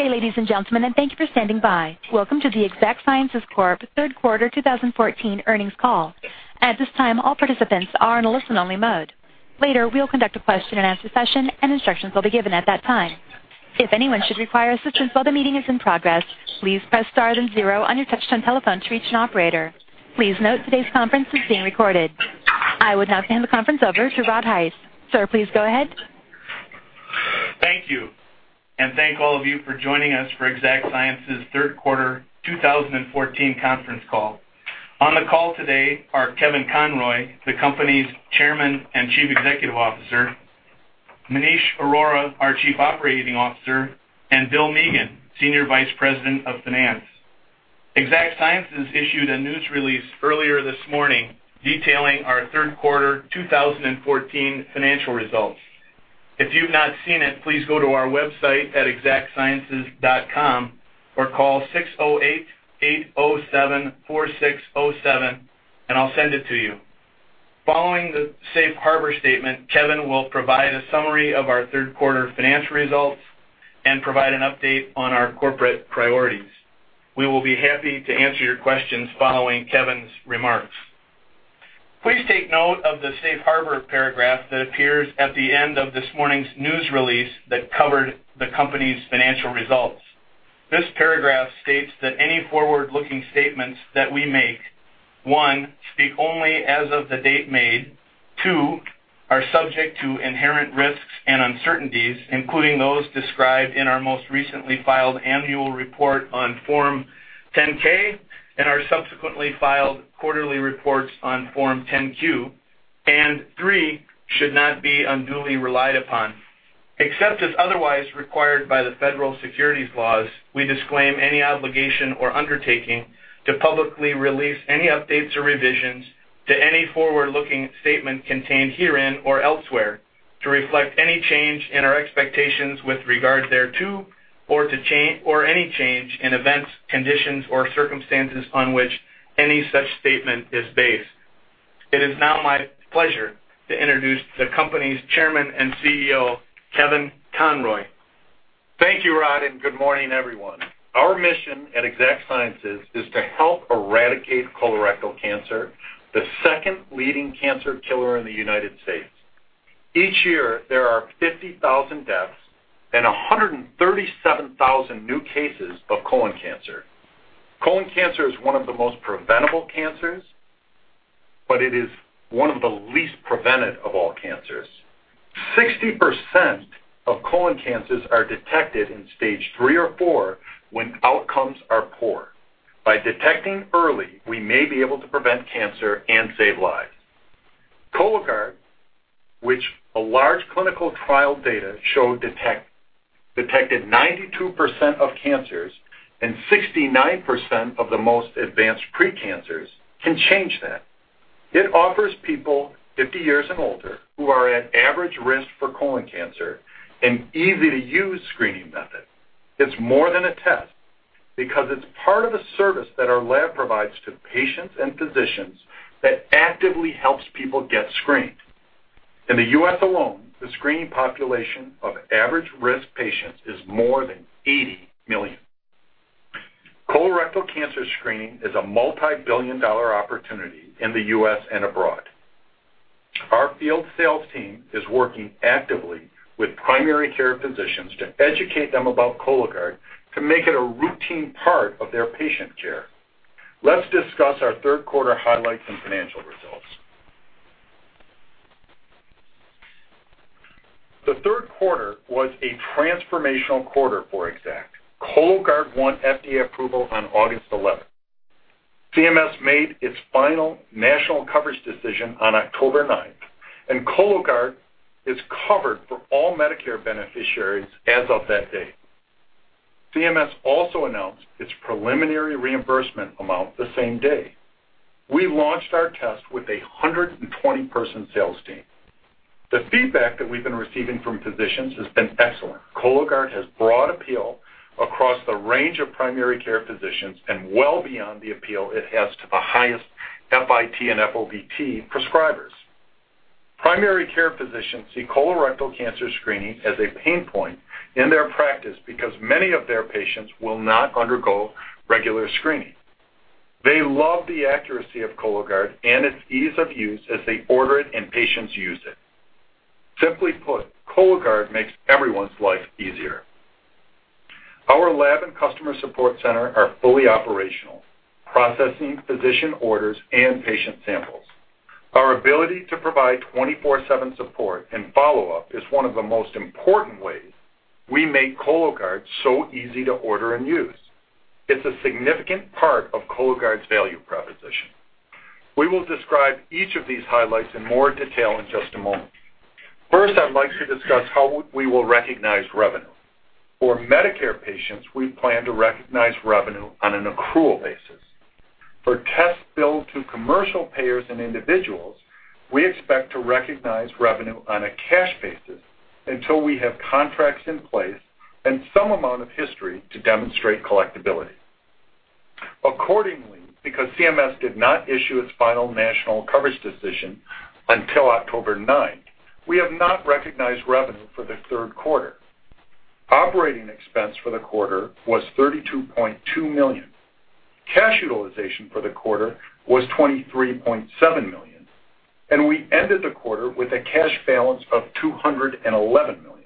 Good day, ladies and gentlemen, and thank you for standing by. Welcome to the Exact Sciences third quarter 2014 earnings call. At this time, all participants are in a listen-only mode. Later, we'll conduct a question-and-answer session, and instructions will be given at that time. If anyone should require assistance while the meeting is in progress, please press star then zero on your touch-tone telephone to reach an operator. Please note today's conference is being recorded. I would now hand the conference over to Rod Heiss. Sir, please go ahead. Thank you, and thank all of you for joining us for Exact Sciences third quarter 2014 conference call. On the call today are Kevin Conroy, the company's Chairman and Chief Executive Officer; Maneesh Arora, our Chief Operating Officer; and Bill Mahoney, Senior Vice President of Finance. Exact Sciences issued a news release earlier this morning detailing our third quarter 2014 financial results. If you've not seen it, please go to our website at exactsciences.com or call 608-807-4607, and I'll send it to you. Following the safe harbor statement, Kevin will provide a summary of our third quarter financial results and provide an update on our corporate priorities. We will be happy to answer your questions following Kevin's remarks. Please take note of the safe harbor paragraph that appears at the end of this morning's news release that covered the company's financial results. This paragraph states that any forward-looking statements that we make: one, speak only as of the date made; two, are subject to inherent risks and uncertainties, including those described in our most recently filed annual report on Form 10-K and our subsequently filed quarterly reports on Form 10-Q; and three, should not be unduly relied upon. Except as otherwise required by the federal securities laws, we disclaim any obligation or undertaking to publicly release any updates or revisions to any forward-looking statement contained herein or elsewhere to reflect any change in our expectations with regard thereto, or any change in events, conditions, or circumstances on which any such statement is based. It is now my pleasure to introduce the company's Chairman and CEO, Kevin Conroy. Thank you, Rod, and good morning, everyone. Our mission at Exact Sciences is to help eradicate colorectal cancer, the second leading cancer killer in the United States. Each year, there are 50,000 deaths and 137,000 new cases of colon cancer. Colon cancer is one of the most preventable cancers, but it is one of the least prevented of all cancers. Sixty percent of colon cancers are detected in stage three or four when outcomes are poor. By detecting early, we may be able to prevent cancer and save lives. Cologuard, which a large clinical trial data showed detected 92% of cancers and 69% of the most advanced precancers, can change that. It offers people 50 years and older who are at average risk for colon cancer an easy-to-use screening method. It's more than a test because it's part of a service that our lab provides to patients and physicians that actively helps people get screened. In the U.S. alone, the screening population of average risk patients is more than 80 million. Colorectal cancer screening is a multi-billion dollar opportunity in the U.S. and abroad. Our field sales team is working actively with primary care physicians to educate them about Cologuard to make it a routine part of their patient care. Let's discuss our third quarter highlights and financial results. The third quarter was a transformational quarter for Exact. Cologuard won FDA approval on August 11. CMS made its final national coverage decision on October 9, and Cologuard is covered for all Medicare beneficiaries as of that day. CMS also announced its preliminary reimbursement amount the same day. We launched our test with a 120-person sales team. The feedback that we've been receiving from physicians has been excellent. Cologuard has broad appeal across the range of primary care physicians and well beyond the appeal it has to the highest FIT and FOBT prescribers. Primary care physicians see colorectal cancer screening as a pain point in their practice because many of their patients will not undergo regular screening. They love the accuracy of Cologuard and its ease of use as they order it and patients use it. Simply put, Cologuard makes everyone's life easier. Our lab and customer support center are fully operational, processing physician orders and patient samples. Our ability to provide 24/7 support and follow-up is one of the most important ways we make Cologuard so easy to order and use. It's a significant part of Cologuard's value proposition. We will describe each of these highlights in more detail in just a moment. First, I'd like to discuss how we will recognize revenue. For Medicare patients, we plan to recognize revenue on an accrual basis. For tests billed to commercial payers and individuals, we expect to recognize revenue on a cash basis until we have contracts in place and some amount of history to demonstrate collectibility. Accordingly, because CMS did not issue its final national coverage decision until October 9, we have not recognized revenue for the third quarter. Operating expense for the quarter was $32.2 million. Cash utilization for the quarter was $23.7 million, and we ended the quarter with a cash balance of $211 million.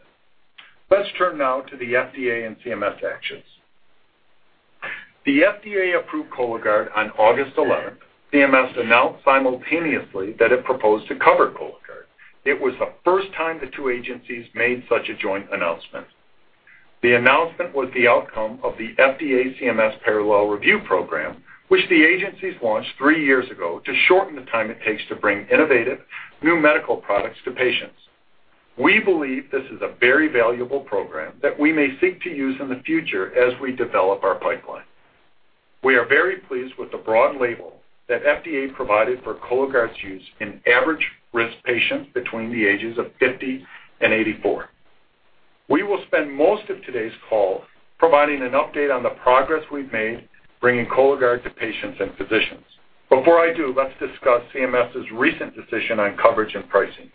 Let's turn now to the FDA and CMS actions. The FDA approved Cologuard on August 11. CMS announced simultaneously that it proposed to cover Cologuard. It was the first time the two agencies made such a joint announcement. The announcement was the outcome of the FDA-CMS parallel review program, which the agencies launched three years ago to shorten the time it takes to bring innovative, new medical products to patients. We believe this is a very valuable program that we may seek to use in the future as we develop our pipeline. We are very pleased with the broad label that FDA provided for Cologuard's use in average risk patients between the ages of 50 and 84. We will spend most of today's call providing an update on the progress we've made bringing Cologuard to patients and physicians. Before I do, let's discuss CMS's recent decision on coverage and pricing.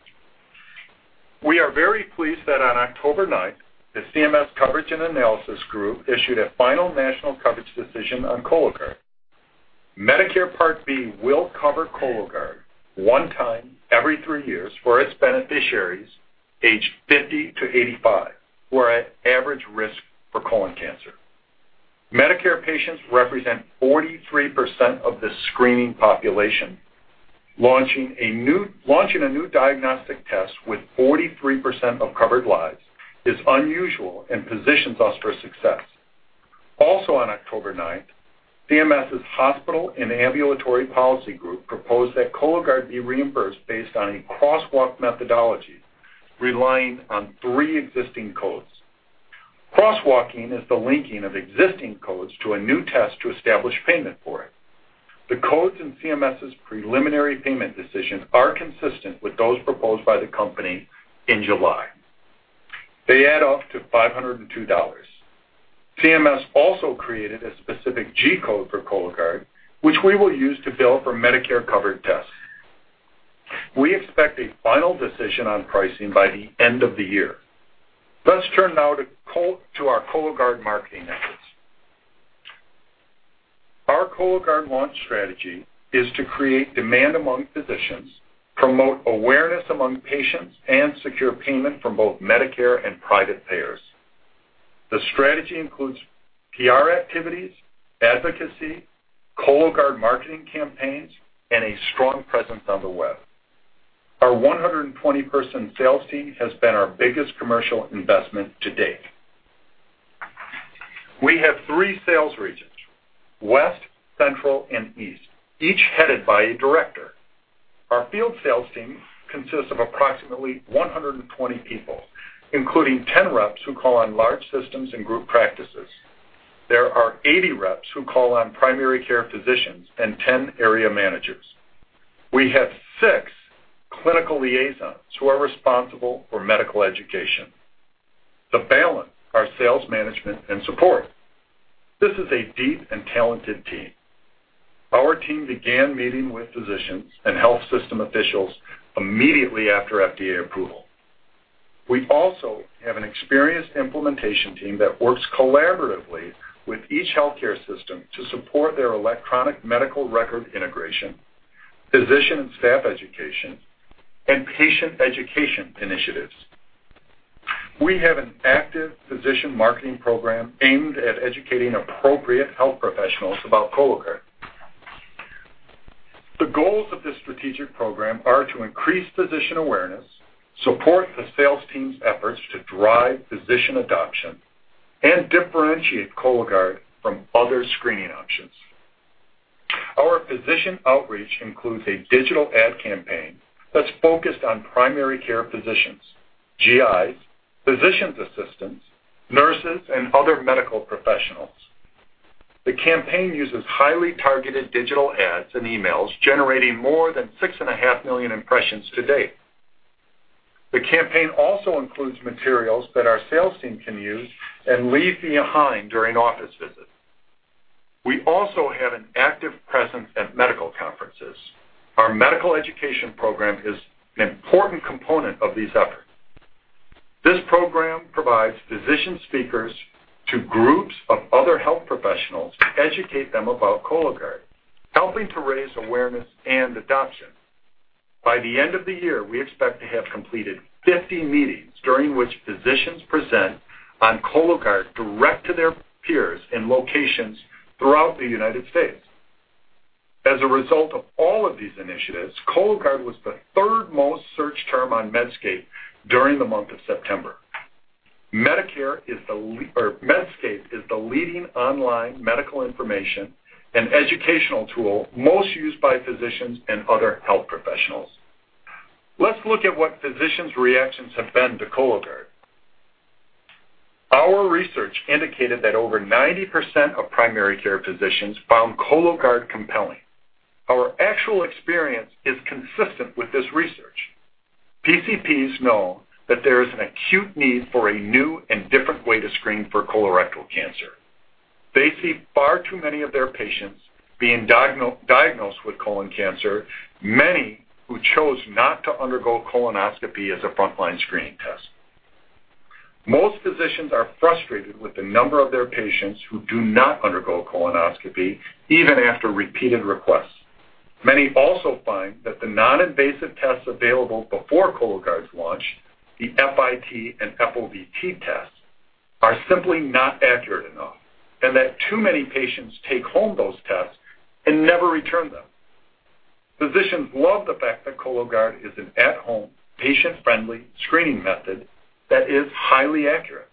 We are very pleased that on October 9, the CMS coverage and analysis group issued a final national coverage decision on Cologuard. Medicare Part B will cover Cologuard one time every three years for its beneficiaries aged 50 to 85 who are at average risk for colon cancer. Medicare patients represent 43% of the screening population. Launching a new diagnostic test with 43% of covered lives is unusual and positions us for success. Also, on October 9, CMS's hospital and ambulatory policy group proposed that Cologuard be reimbursed based on a crosswalk methodology relying on three existing codes. Crosswalking is the linking of existing codes to a new test to establish payment for it. The codes in CMS's preliminary payment decision are consistent with those proposed by the company in July. They add up to $502. CMS also created a specific G-code for Cologuard, which we will use to bill for Medicare covered tests. We expect a final decision on pricing by the end of the year. Let's turn now to our Cologuard marketing efforts. Our Cologuard launch strategy is to create demand among physicians, promote awareness among patients, and secure payment from both Medicare and private payers. The strategy includes PR activities, advocacy, Cologuard marketing campaigns, and a strong presence on the web. Our 120-person sales team has been our biggest commercial investment to date. We have three sales regions: West, Central, and East, each headed by a director. Our field sales team consists of approximately 120 people, including 10 reps who call on large systems and group practices. There are 80 reps who call on primary care physicians and 10 area managers. We have six clinical liaisons who are responsible for medical education. The balance is our sales management and support. This is a deep and talented team. Our team began meeting with physicians and health system officials immediately after FDA approval. We also have an experienced implementation team that works collaboratively with each healthcare system to support their electronic medical record integration, physician and staff education, and patient education initiatives. We have an active physician marketing program aimed at educating appropriate health professionals about Cologuard. The goals of this strategic program are to increase physician awareness, support the sales team's efforts to drive physician adoption, and differentiate Cologuard from other screening options. Our physician outreach includes a digital ad campaign that's focused on primary care physicians, GIs, physician's assistants, nurses, and other medical professionals. The campaign uses highly targeted digital ads and emails, generating more than 6.5 million impressions to date. The campaign also includes materials that our sales team can use and leave behind during office visits. We also have an active presence at medical conferences. Our medical education program is an important component of these efforts. This program provides physician speakers to groups of other health professionals to educate them about Cologuard, helping to raise awareness and adoption. By the end of the year, we expect to have completed 50 meetings during which physicians present on Cologuard direct to their peers in locations throughout the United States. As a result of all of these initiatives, Cologuard was the third most searched term on Medscape during the month of September. Medscape is the leading online medical information and educational tool most used by physicians and other health professionals. Let's look at what physicians' reactions have been to Cologuard. Our research indicated that over 90% of primary care physicians found Cologuard compelling. Our actual experience is consistent with this research. PCPs know that there is an acute need for a new and different way to screen for colorectal cancer. They see far too many of their patients being diagnosed with colon cancer, many who chose not to undergo colonoscopy as a frontline screening test. Most physicians are frustrated with the number of their patients who do not undergo colonoscopy even after repeated requests. Many also find that the non-invasive tests available before Cologuard's launch, the FIT and FOBT tests, are simply not accurate enough, and that too many patients take home those tests and never return them. Physicians love the fact that Cologuard is an at-home, patient-friendly screening method that is highly accurate.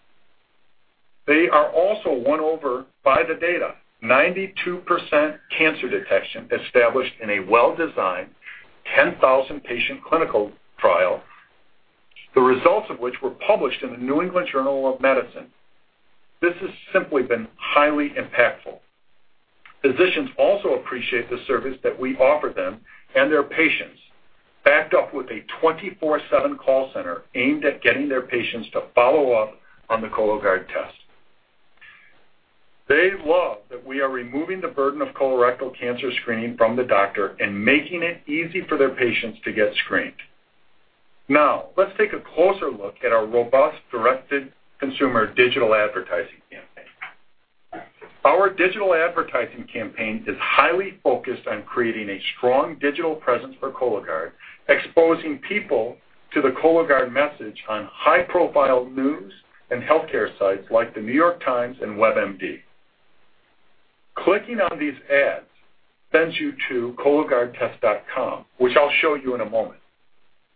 They are also won over by the data. 92% cancer detection established in a well-designed 10,000-patient clinical trial, the results of which were published in the New England Journal of Medicine. This has simply been highly impactful. Physicians also appreciate the service that we offer them and their patients, backed up with a 24/7 call center aimed at getting their patients to follow up on the Cologuard test. They love that we are removing the burden of colorectal cancer screening from the doctor and making it easy for their patients to get screened. Now, let's take a closer look at our robust directed consumer digital advertising campaign. Our digital advertising campaign is highly focused on creating a strong digital presence for Cologuard, exposing people to the Cologuard message on high-profile news and healthcare sites like The New York Times and WebMD. Clicking on these ads sends you to cologuardtest.com, which I'll show you in a moment.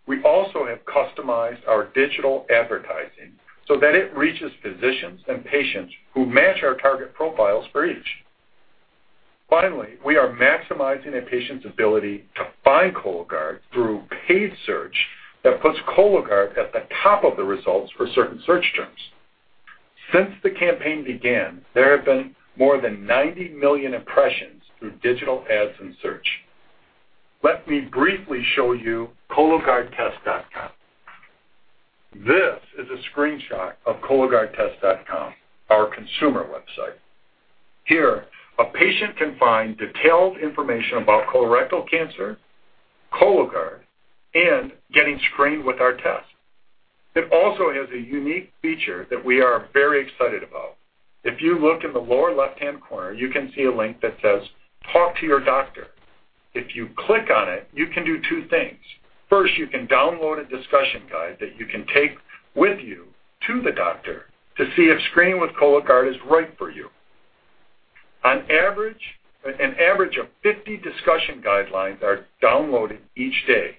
We also have customized our digital advertising so that it reaches physicians and patients who match our target profiles for each. Finally, we are maximizing a patient's ability to find Cologuard through paid search that puts Cologuard at the top of the results for certain search terms. Since the campaign began, there have been more than 90 million impressions through digital ads and search. Let me briefly show you cologuardtest.com. This is a screenshot of cologuardtest.com, our consumer website. Here, a patient can find detailed information about colorectal cancer, Cologuard, and getting screened with our test. It also has a unique feature that we are very excited about. If you look in the lower left-hand corner, you can see a link that says, "Talk to your doctor." If you click on it, you can do two things. First, you can download a discussion guide that you can take with you to the doctor to see if screening with Cologuard is right for you. An average of 50 discussion guidelines are downloaded each day.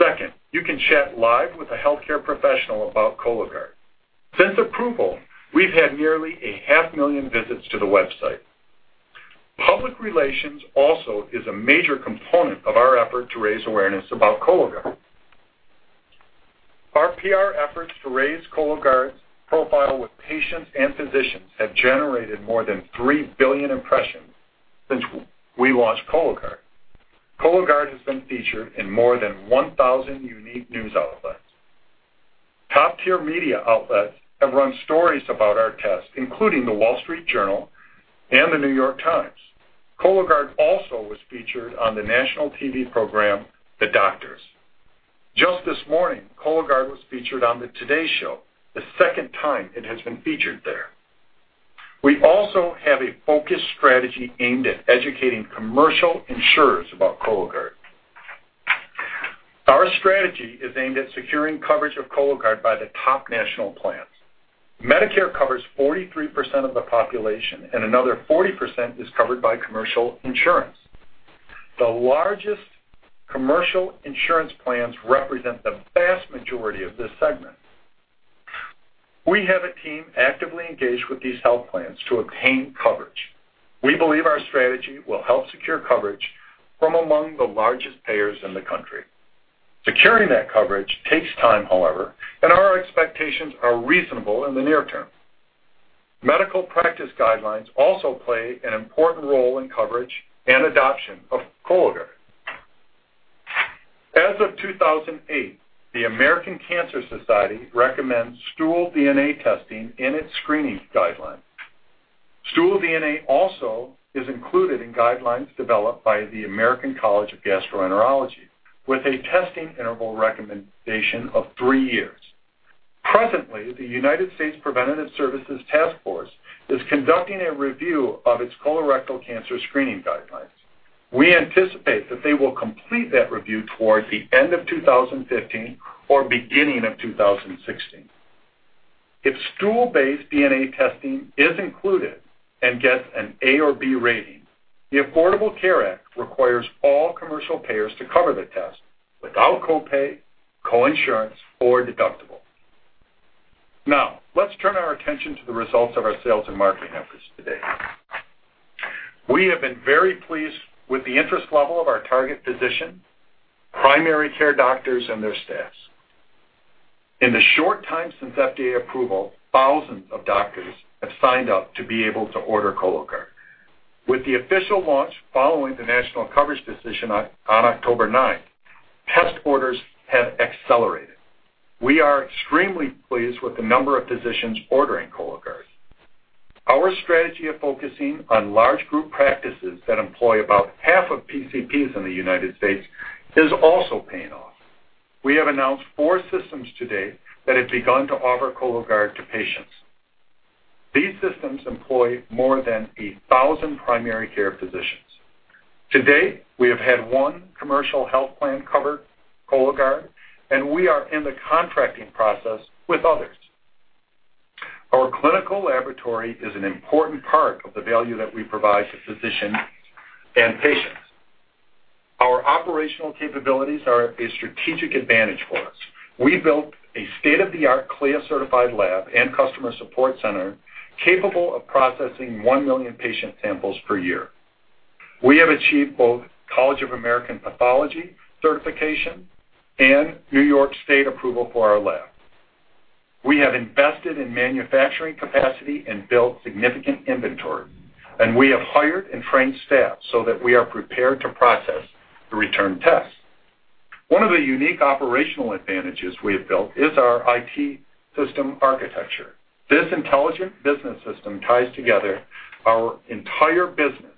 Second, you can chat live with a healthcare professional about Cologuard. Since approval, we've had nearly 500,000 visits to the website. Public relations also is a major component of our effort to raise awareness about Cologuard. Our PR efforts to raise Cologuard's profile with patients and physicians have generated more than 3 billion impressions since we launched Cologuard. Cologuard has been featured in more than 1,000 unique news outlets. Top-tier media outlets have run stories about our tests, including The Wall Street Journal and The New York Times. Cologuard also was featured on the national TV program, The Doctors. Just this morning, Cologuard was featured on The Today Show, the second time it has been featured there. We also have a focused strategy aimed at educating commercial insurers about Cologuard. Our strategy is aimed at securing coverage of Cologuard by the top national plans. Medicare covers 43% of the population, and another 40% is covered by commercial insurance. The largest commercial insurance plans represent the vast majority of this segment. We have a team actively engaged with these health plans to obtain coverage. We believe our strategy will help secure coverage from among the largest payers in the country. Securing that coverage takes time, however, and our expectations are reasonable in the near term. Medical practice guidelines also play an important role in coverage and adoption of Cologuard. As of 2008, the American Cancer Society recommends stool DNA testing in its screening guidelines. Stool DNA also is included in guidelines developed by the American College of Gastroenterology, with a testing interval recommendation of three years. Presently, the U.S. Preventive Services Task Force is conducting a review of its colorectal cancer screening guidelines. We anticipate that they will complete that review towards the end of 2015 or beginning of 2016. If stool-based DNA testing is included and gets an A or B rating, the Affordable Care Act requires all commercial payers to cover the test without copay, coinsurance, or deductible. Now, let's turn our attention to the results of our sales and marketing efforts today. We have been very pleased with the interest level of our target physician, primary care doctors, and their staffs. In the short time since FDA approval, thousands of doctors have signed up to be able to order Cologuard. With the official launch following the national coverage decision on October 9, test orders have accelerated. We are extremely pleased with the number of physicians ordering Cologuard. Our strategy of focusing on large group practices that employ about half of PCPs in the U.S. is also paying off. We have announced four systems to date that have begun to offer Cologuard to patients. These systems employ more than 1,000 primary care physicians. To date, we have had one commercial health plan cover Cologuard, and we are in the contracting process with others. Our clinical laboratory is an important part of the value that we provide to physicians and patients. Our operational capabilities are a strategic advantage for us. We built a state-of-the-art, CLIA-certified lab and customer support center capable of processing 1 million patient samples per year. We have achieved both College of American Pathology certification and New York State approval for our lab. We have invested in manufacturing capacity and built significant inventory, and we have hired and trained staff so that we are prepared to process the return tests. One of the unique operational advantages we have built is our IT system architecture. This intelligent business system ties together our entire business,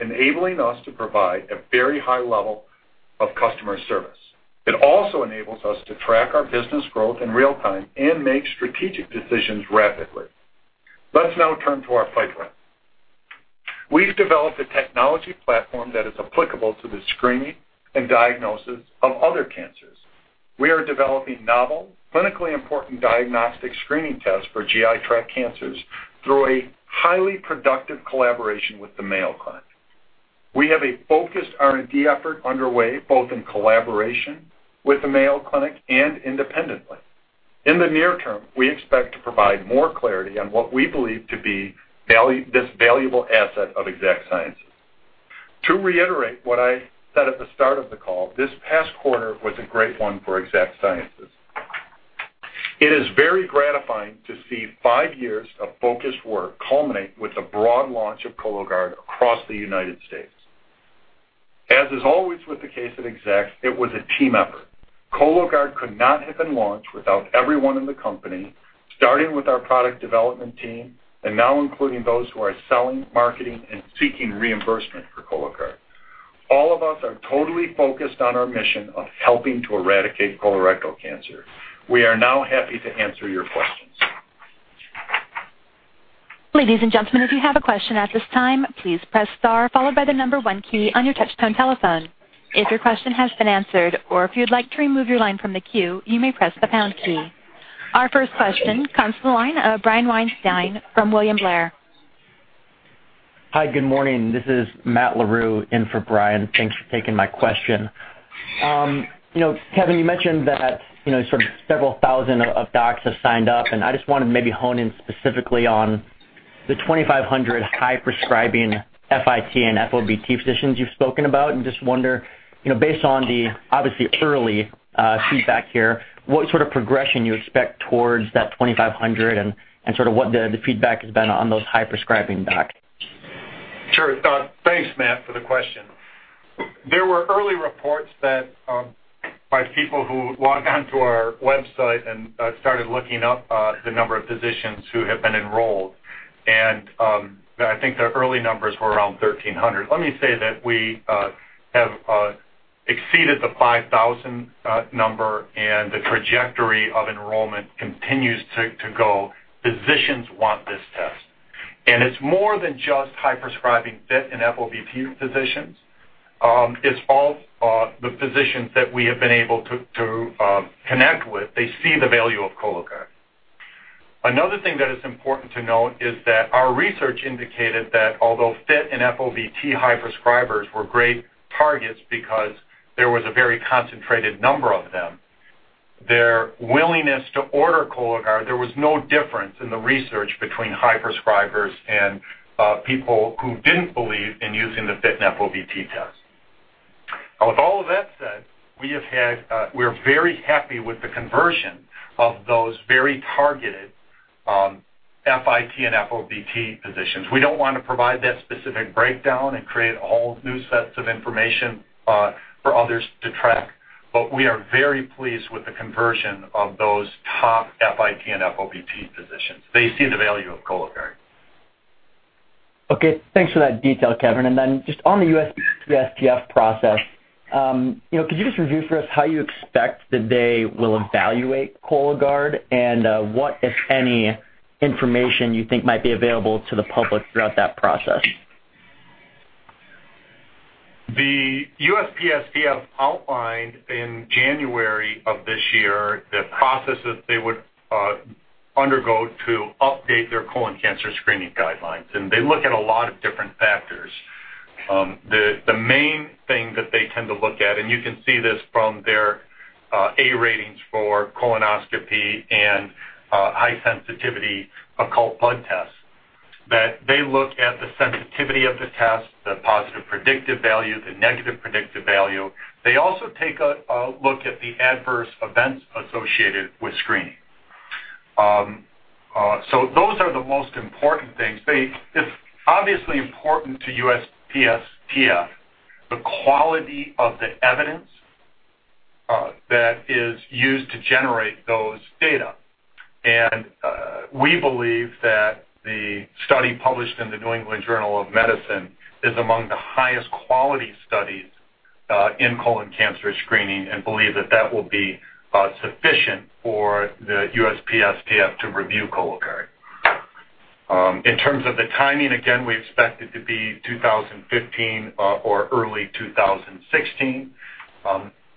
enabling us to provide a very high level of customer service. It also enables us to track our business growth in real time and make strategic decisions rapidly. Let's now turn to our pipeline. We've developed a technology platform that is applicable to the screening and diagnosis of other cancers. We are developing novel, clinically important diagnostic screening tests for GI tract cancers through a highly productive collaboration with the Mayo Clinic. We have a focused R&D effort underway both in collaboration with the Mayo Clinic and independently. In the near term, we expect to provide more clarity on what we believe to be this valuable asset of Exact Sciences. To reiterate what I said at the start of the call, this past quarter was a great one for Exact Sciences. It is very gratifying to see five years of focused work culminate with the broad launch of Cologuard across the United States. As is always the case at Exact Sciences, it was a team effort. Cologuard could not have been launched without everyone in the company, starting with our product development team and now including those who are selling, marketing, and seeking reimbursement for Cologuard. All of us are totally focused on our mission of helping to eradicate colorectal cancer. We are now happy to answer your questions. Ladies and gentlemen, if you have a question at this time, please press star followed by the number one key on your touch-tone telephone. If your question has been answered or if you'd like to remove your line from the queue, you may press the pound key. Our first question comes to the line of Brian Weinstein from William Blair. Hi, good morning. This is Matt Larue in for Brian. Thanks for taking my question. Kevin, you mentioned that sort of several thousand of docs have signed up, and I just wanted to maybe hone in specifically on the 2,500 high-prescribing FIT and FOBT physicians you've spoken about. I just wonder, based on the obviously early feedback here, what sort of progression you expect towards that 2,500 and what the feedback has been on those high-prescribing docs? Sure. Thanks, Matt, for the question. There were early reports by people who logged onto our website and started looking up the number of physicians who have been enrolled. I think the early numbers were around 1,300. Let me say that we have exceeded the 5,000 number, and the trajectory of enrollment continues to go. Physicians want this test. It is more than just high-prescribing FIT and FOBT physicians. It is all the physicians that we have been able to connect with. They see the value of Cologuard. Another thing that is important to note is that our research indicated that although FIT and FOBT high-prescribers were great targets because there was a very concentrated number of them, their willingness to order Cologuard—there was no difference in the research between high-prescribers and people who did not believe in using the FIT and FOBT test. With all of that said, we are very happy with the conversion of those very targeted FIT and FOBT physicians. We do not want to provide that specific breakdown and create a whole new set of information for others to track, but we are very pleased with the conversion of those top FIT and FOBT physicians. They see the value of Cologuard. Okay. Thanks for that detail, Kevin. And then just on the USPSTF process, could you just review for us how you expect that they will evaluate Cologuard and what, if any, information you think might be available to the public throughout that process? The USPSTF outlined in January of this year the process that they would undergo to update their colon cancer screening guidelines. They look at a lot of different factors. The main thing that they tend to look at—and you can see this from their A ratings for colonoscopy and high-sensitivity occult blood tests—is that they look at the sensitivity of the test, the positive predictive value, the negative predictive value. They also take a look at the adverse events associated with screening. Those are the most important things. It's obviously important to USPSTF the quality of the evidence that is used to generate those data. We believe that the study published in The New England Journal of Medicine is among the highest quality studies in colon cancer screening and believe that that will be sufficient for the USPSTF to review Cologuard. In terms of the timing, again, we expect it to be 2015 or early 2016.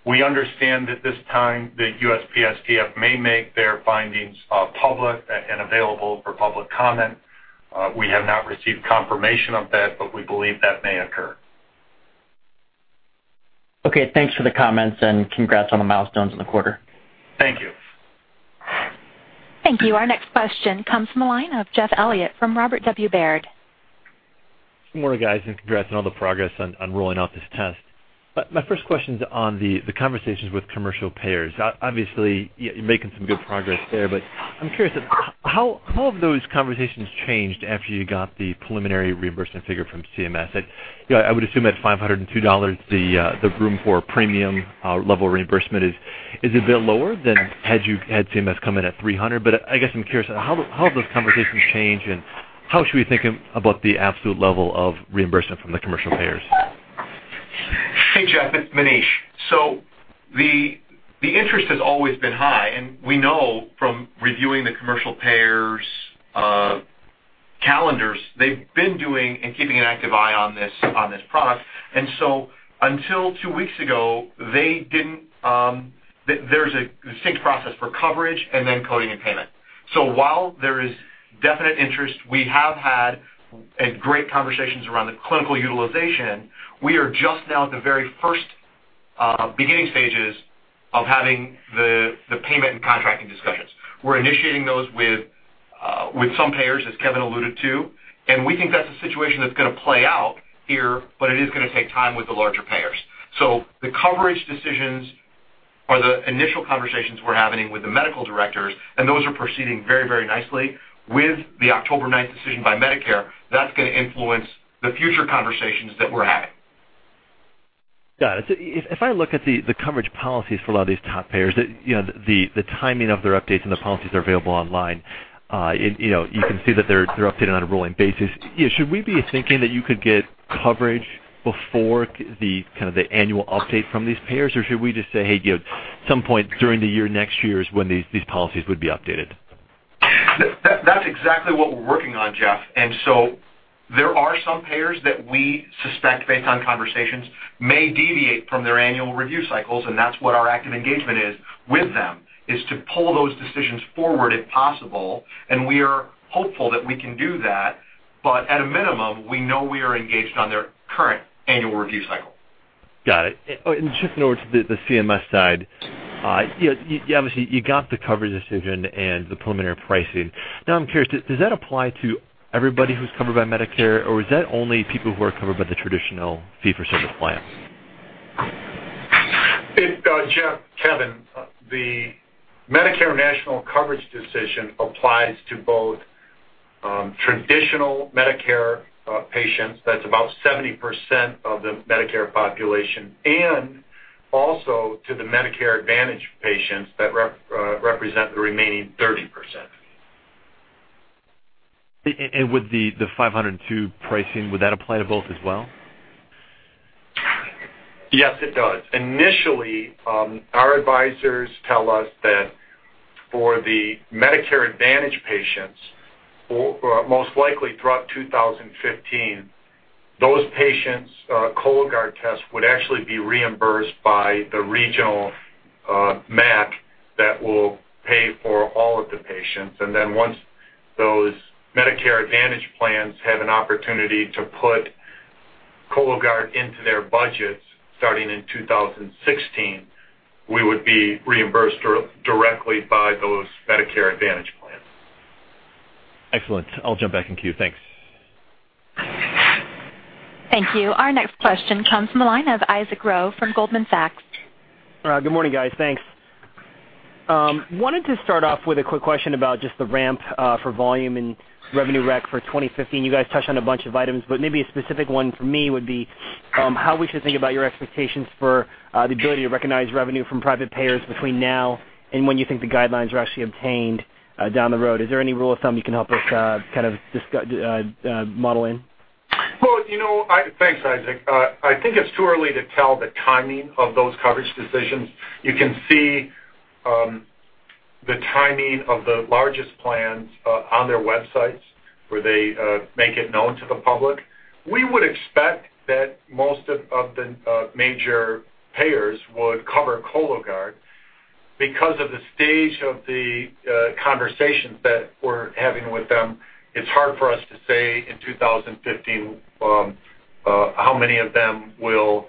We understand that this time the USPSTF may make their findings public and available for public comment. We have not received confirmation of that, but we believe that may occur. Okay. Thanks for the comments and congrats on the milestones in the quarter. Thank you. Thank you. Our next question comes from the line of Jeff Elliott from Robert W. Baird. Good morning, guys, and congrats on all the progress on rolling out this test. My first question is on the conversations with commercial payers. Obviously, you're making some good progress there, but I'm curious, how have those conversations changed after you got the preliminary reimbursement figure from CMS? I would assume at $502, the room for premium-level reimbursement is a bit lower than had CMS come in at 300. But I guess I'm curious, how have those conversations changed and how should we think about the absolute level of reimbursement from the commercial payers? Hey, Jeff, it's Maneesh. So the interest has always been high. We know from reviewing the commercial payers' calendars, they've been doing and keeping an active eye on this product. Until two weeks ago, they didn't—there is a distinct process for coverage and then coding and payment. While there is definite interest, we have had great conversations around the clinical utilization. We are just now at the very first beginning stages of having the payment and contracting discussions. We're initiating those with some payers, as Kevin alluded to. We think that's a situation that's going to play out here, but it is going to take time with the larger payers. The coverage decisions are the initial conversations we're having with the medical directors, and those are proceeding very, very nicely with the October 9 decision by Medicare that's going to influence the future conversations that we're having. Got it. If I look at the coverage policies for a lot of these top payers, the timing of their updates and the policies are available online, you can see that they're updated on a rolling basis. Should we be thinking that you could get coverage before kind of the annual update from these payers, or should we just say, "Hey, at some point during the year next year is when these policies would be updated"? That's exactly what we're working on, Jeff. There are some payers that we suspect, based on conversations, may deviate from their annual review cycles. That's what our active engagement is with them, is to pull those decisions forward if possible. We are hopeful that we can do that. At a minimum, we know we are engaged on their current annual review cycle. Got it. Just in order to the CMS side, obviously, you got the coverage decision and the preliminary pricing. Now, I'm curious, does that apply to everybody who's covered by Medicare, or is that only people who are covered by the traditional fee-for-service plan? Jeff, Kevin, the Medicare National Coverage decision applies to both traditional Medicare patients—that's about 70% of the Medicare population—and also to the Medicare Advantage patients that represent the remaining 30%. With the $502 pricing, would that apply to both as well? Yes, it does. Initially, our advisors tell us that for the Medicare Advantage patients, most likely throughout 2015, those patients' Cologuard tests would actually be reimbursed by the regional MAC that will pay for all of the patients. Once those Medicare Advantage plans have an opportunity to put Cologuard into their budgets starting in 2016, we would be reimbursed directly by those Medicare Advantage plans. Excellent. I'll jump back in queue. Thanks. Thank you. Our next question comes from the line of Isaac Rowe from Goldman Sachs. Good morning, guys. Thanks. Wanted to start off with a quick question about just the ramp for volume and revenue rec for 2015. You guys touched on a bunch of items, but maybe a specific one for me would be how we should think about your expectations for the ability to recognize revenue from private payers between now and when you think the guidelines are actually obtained down the road. Is there any rule of thumb you can help us kind of model in? Thanks, Isaac. I think it's too early to tell the timing of those coverage decisions. You can see the timing of the largest plans on their websites where they make it known to the public. We would expect that most of the major payers would cover Cologuard. Because of the stage of the conversations that we're having with them, it's hard for us to say in 2015 how many of them will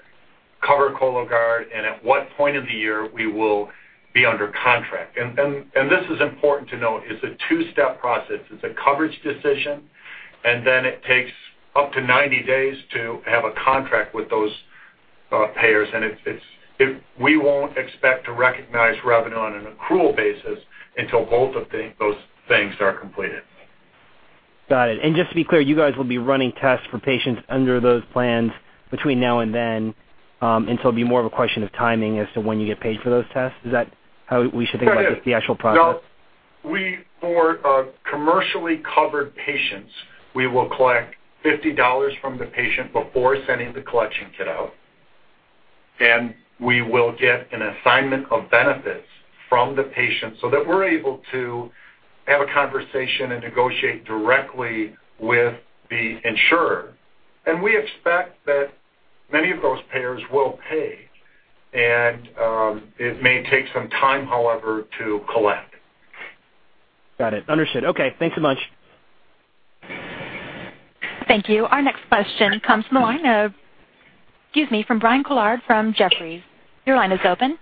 cover Cologuard and at what point in the year we will be under contract. This is important to note. It's a two-step process. It's a coverage decision, and then it takes up to 90 days to have a contract with those payers. We won't expect to recognize revenue on an accrual basis until both of those things are completed. Got it. Just to be clear, you guys will be running tests for patients under those plans between now and then, and so it'll be more of a question of timing as to when you get paid for those tests. Is that how we should think about the actual process? No. For commercially covered patients, we will collect $50 from the patient before sending the collection kit out. And we will get an assignment of benefits from the patient so that we're able to have a conversation and negotiate directly with the insurer. We expect that many of those payers will pay. It may take some time, however, to collect. Got it. Understood. Okay. Thanks so much. Thank you. Our next question comes from the line of, excuse me, from Brian Colard from Jefferies. Your line is open.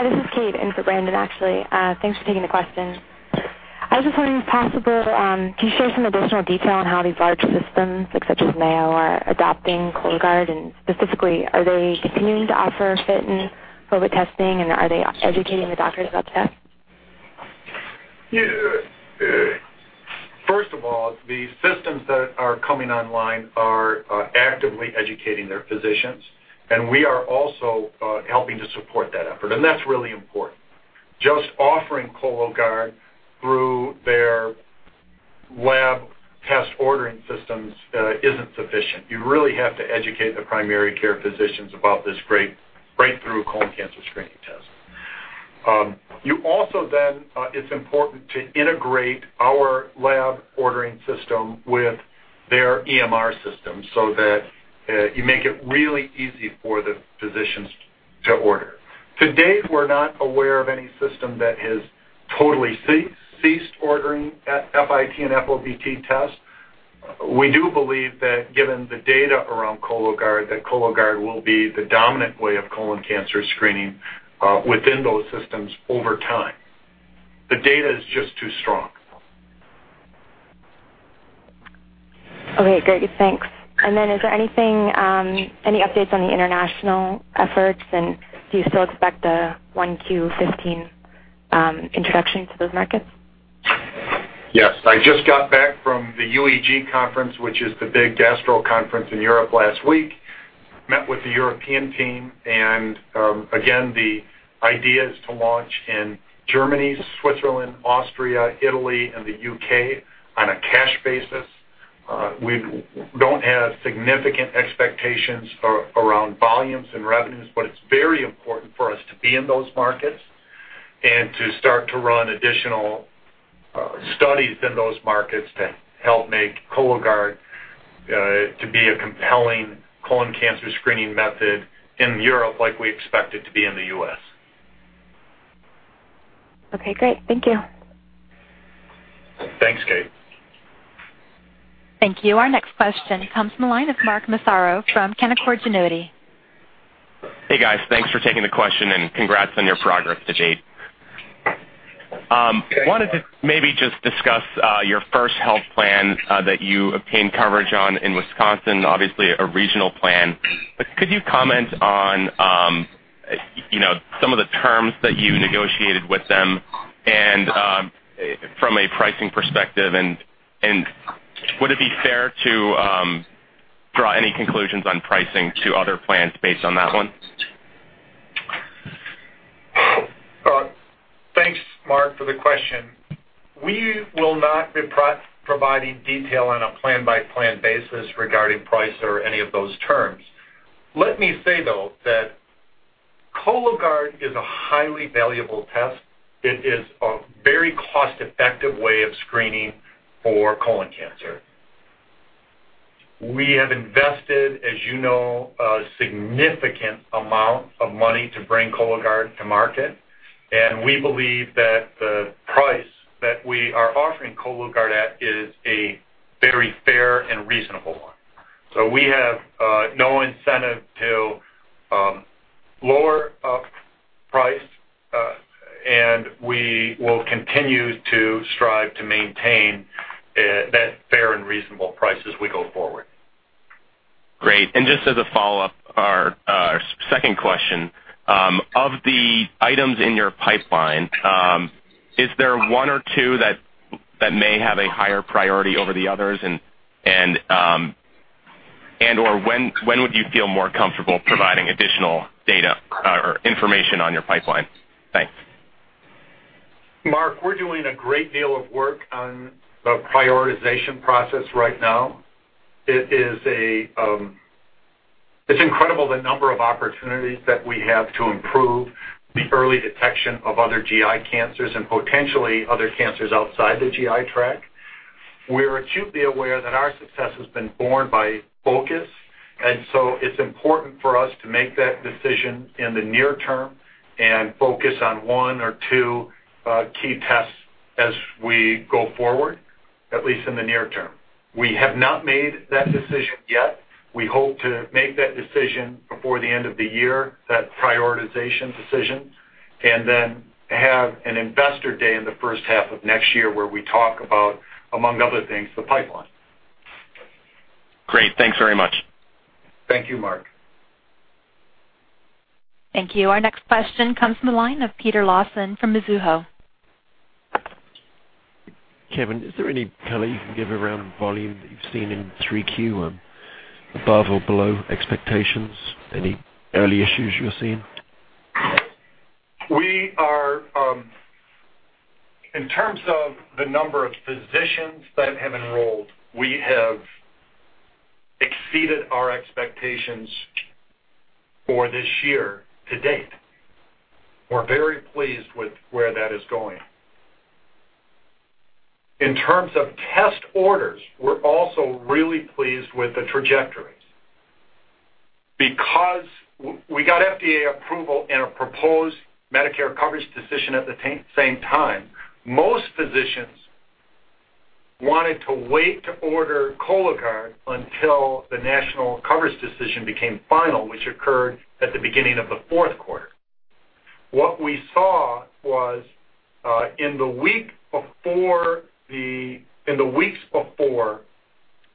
Hi, this is Kate in for Brandon, actually. Thanks for taking the question. I was just wondering, if possible, can you share some additional detail on how these large systems, such as Mayo, are adopting Cologuard? Specifically, are they continuing to offer FIT and FOBT testing, and are they educating the doctors about the tests? First of all, the systems that are coming online are actively educating their physicians. We are also helping to support that effort. That is really important. Just offering Cologuard through their lab test ordering systems is not sufficient. You really have to educate the primary care physicians about this great breakthrough colon cancer screening test. It is also important to integrate our lab ordering system with their Electronic Medical Record system so that you make it really easy for the physicians to order. Today, we are not aware of any system that has totally ceased ordering FIT and FOBT tests. We do believe that, given the data around Cologuard, that Cologuard will be the dominant way of colon cancer screening within those systems over time. The data is just too strong. Okay. Great. Thanks. Is there anything, any updates on the international efforts? Do you still expect the 1Q 2015 introduction to those markets? Yes. I just got back from the UEG conference, which is the big gastro conference in Europe last week. Met with the European team. Again, the idea is to launch in Germany, Switzerland, Austria, Italy, and the U.K. on a cash basis. We do not have significant expectations around volumes and revenues, but it is very important for us to be in those markets and to start to run additional studies in those markets to help make Cologuard to be a compelling colon cancer screening method in Europe like we expect it to be in the U.S. Okay. Great. Thank you. Thanks, Kate. Thank you. Our next question comes from the line of Mark Massaro from Canaccord Genuity. Hey, guys. Thanks for taking the question and congrats on your progress to date. Wanted to maybe just discuss your first health plan that you obtained coverage on in Wisconsin, obviously a regional plan. Could you comment on some of the terms that you negotiated with them from a pricing perspective? And would it be fair to draw any conclusions on pricing to other plans based on that one? Thanks, Mark, for the question. We will not be providing detail on a plan-by-plan basis regarding price or any of those terms. Let me say, though, that Cologuard is a highly valuable test. It is a very cost-effective way of screening for colon cancer. We have invested, as you know, a significant amount of money to bring Cologuard to market. And we believe that the price that we are offering Cologuard at is a very fair and reasonable one. So we have no incentive to lower price, and we will continue to strive to maintain that fair and reasonable price as we go forward. Great. And just as a follow-up, our second question, of the items in your pipeline, is there one or two that may have a higher priority over the others? And when would you feel more comfortable providing additional data or information on your pipeline? Thanks. Mark, we're doing a great deal of work on the prioritization process right now. It's incredible the number of opportunities that we have to improve the early detection of other GI cancers and potentially other cancers outside the GI tract. We are acutely aware that our success has been borne by focus. It's important for us to make that decision in the near term and focus on one or two key tests as we go forward, at least in the near term. We have not made that decision yet. We hope to make that decision before the end of the year, that prioritization decision, and then have an investor day in the first half of next year where we talk about, among other things, the pipeline. Great. Thanks very much. Thank you, Mark. Thank you. Our next question comes from the line of Peter Lawson from Mizuho. Kevin, is there any kind of—you can give around volume that you've seen in 3Q above or below expectations? Any early issues you're seeing? In terms of the number of physicians that have enrolled, we have exceeded our expectations for this year to date. We're very pleased with where that is going. In terms of test orders, we're also really pleased with the trajectories. Because we got FDA approval and a proposed Medicare coverage decision at the same time, most physicians wanted to wait to order Cologuard until the national coverage decision became final, which occurred at the beginning of the fourth quarter. What we saw was, in the weeks before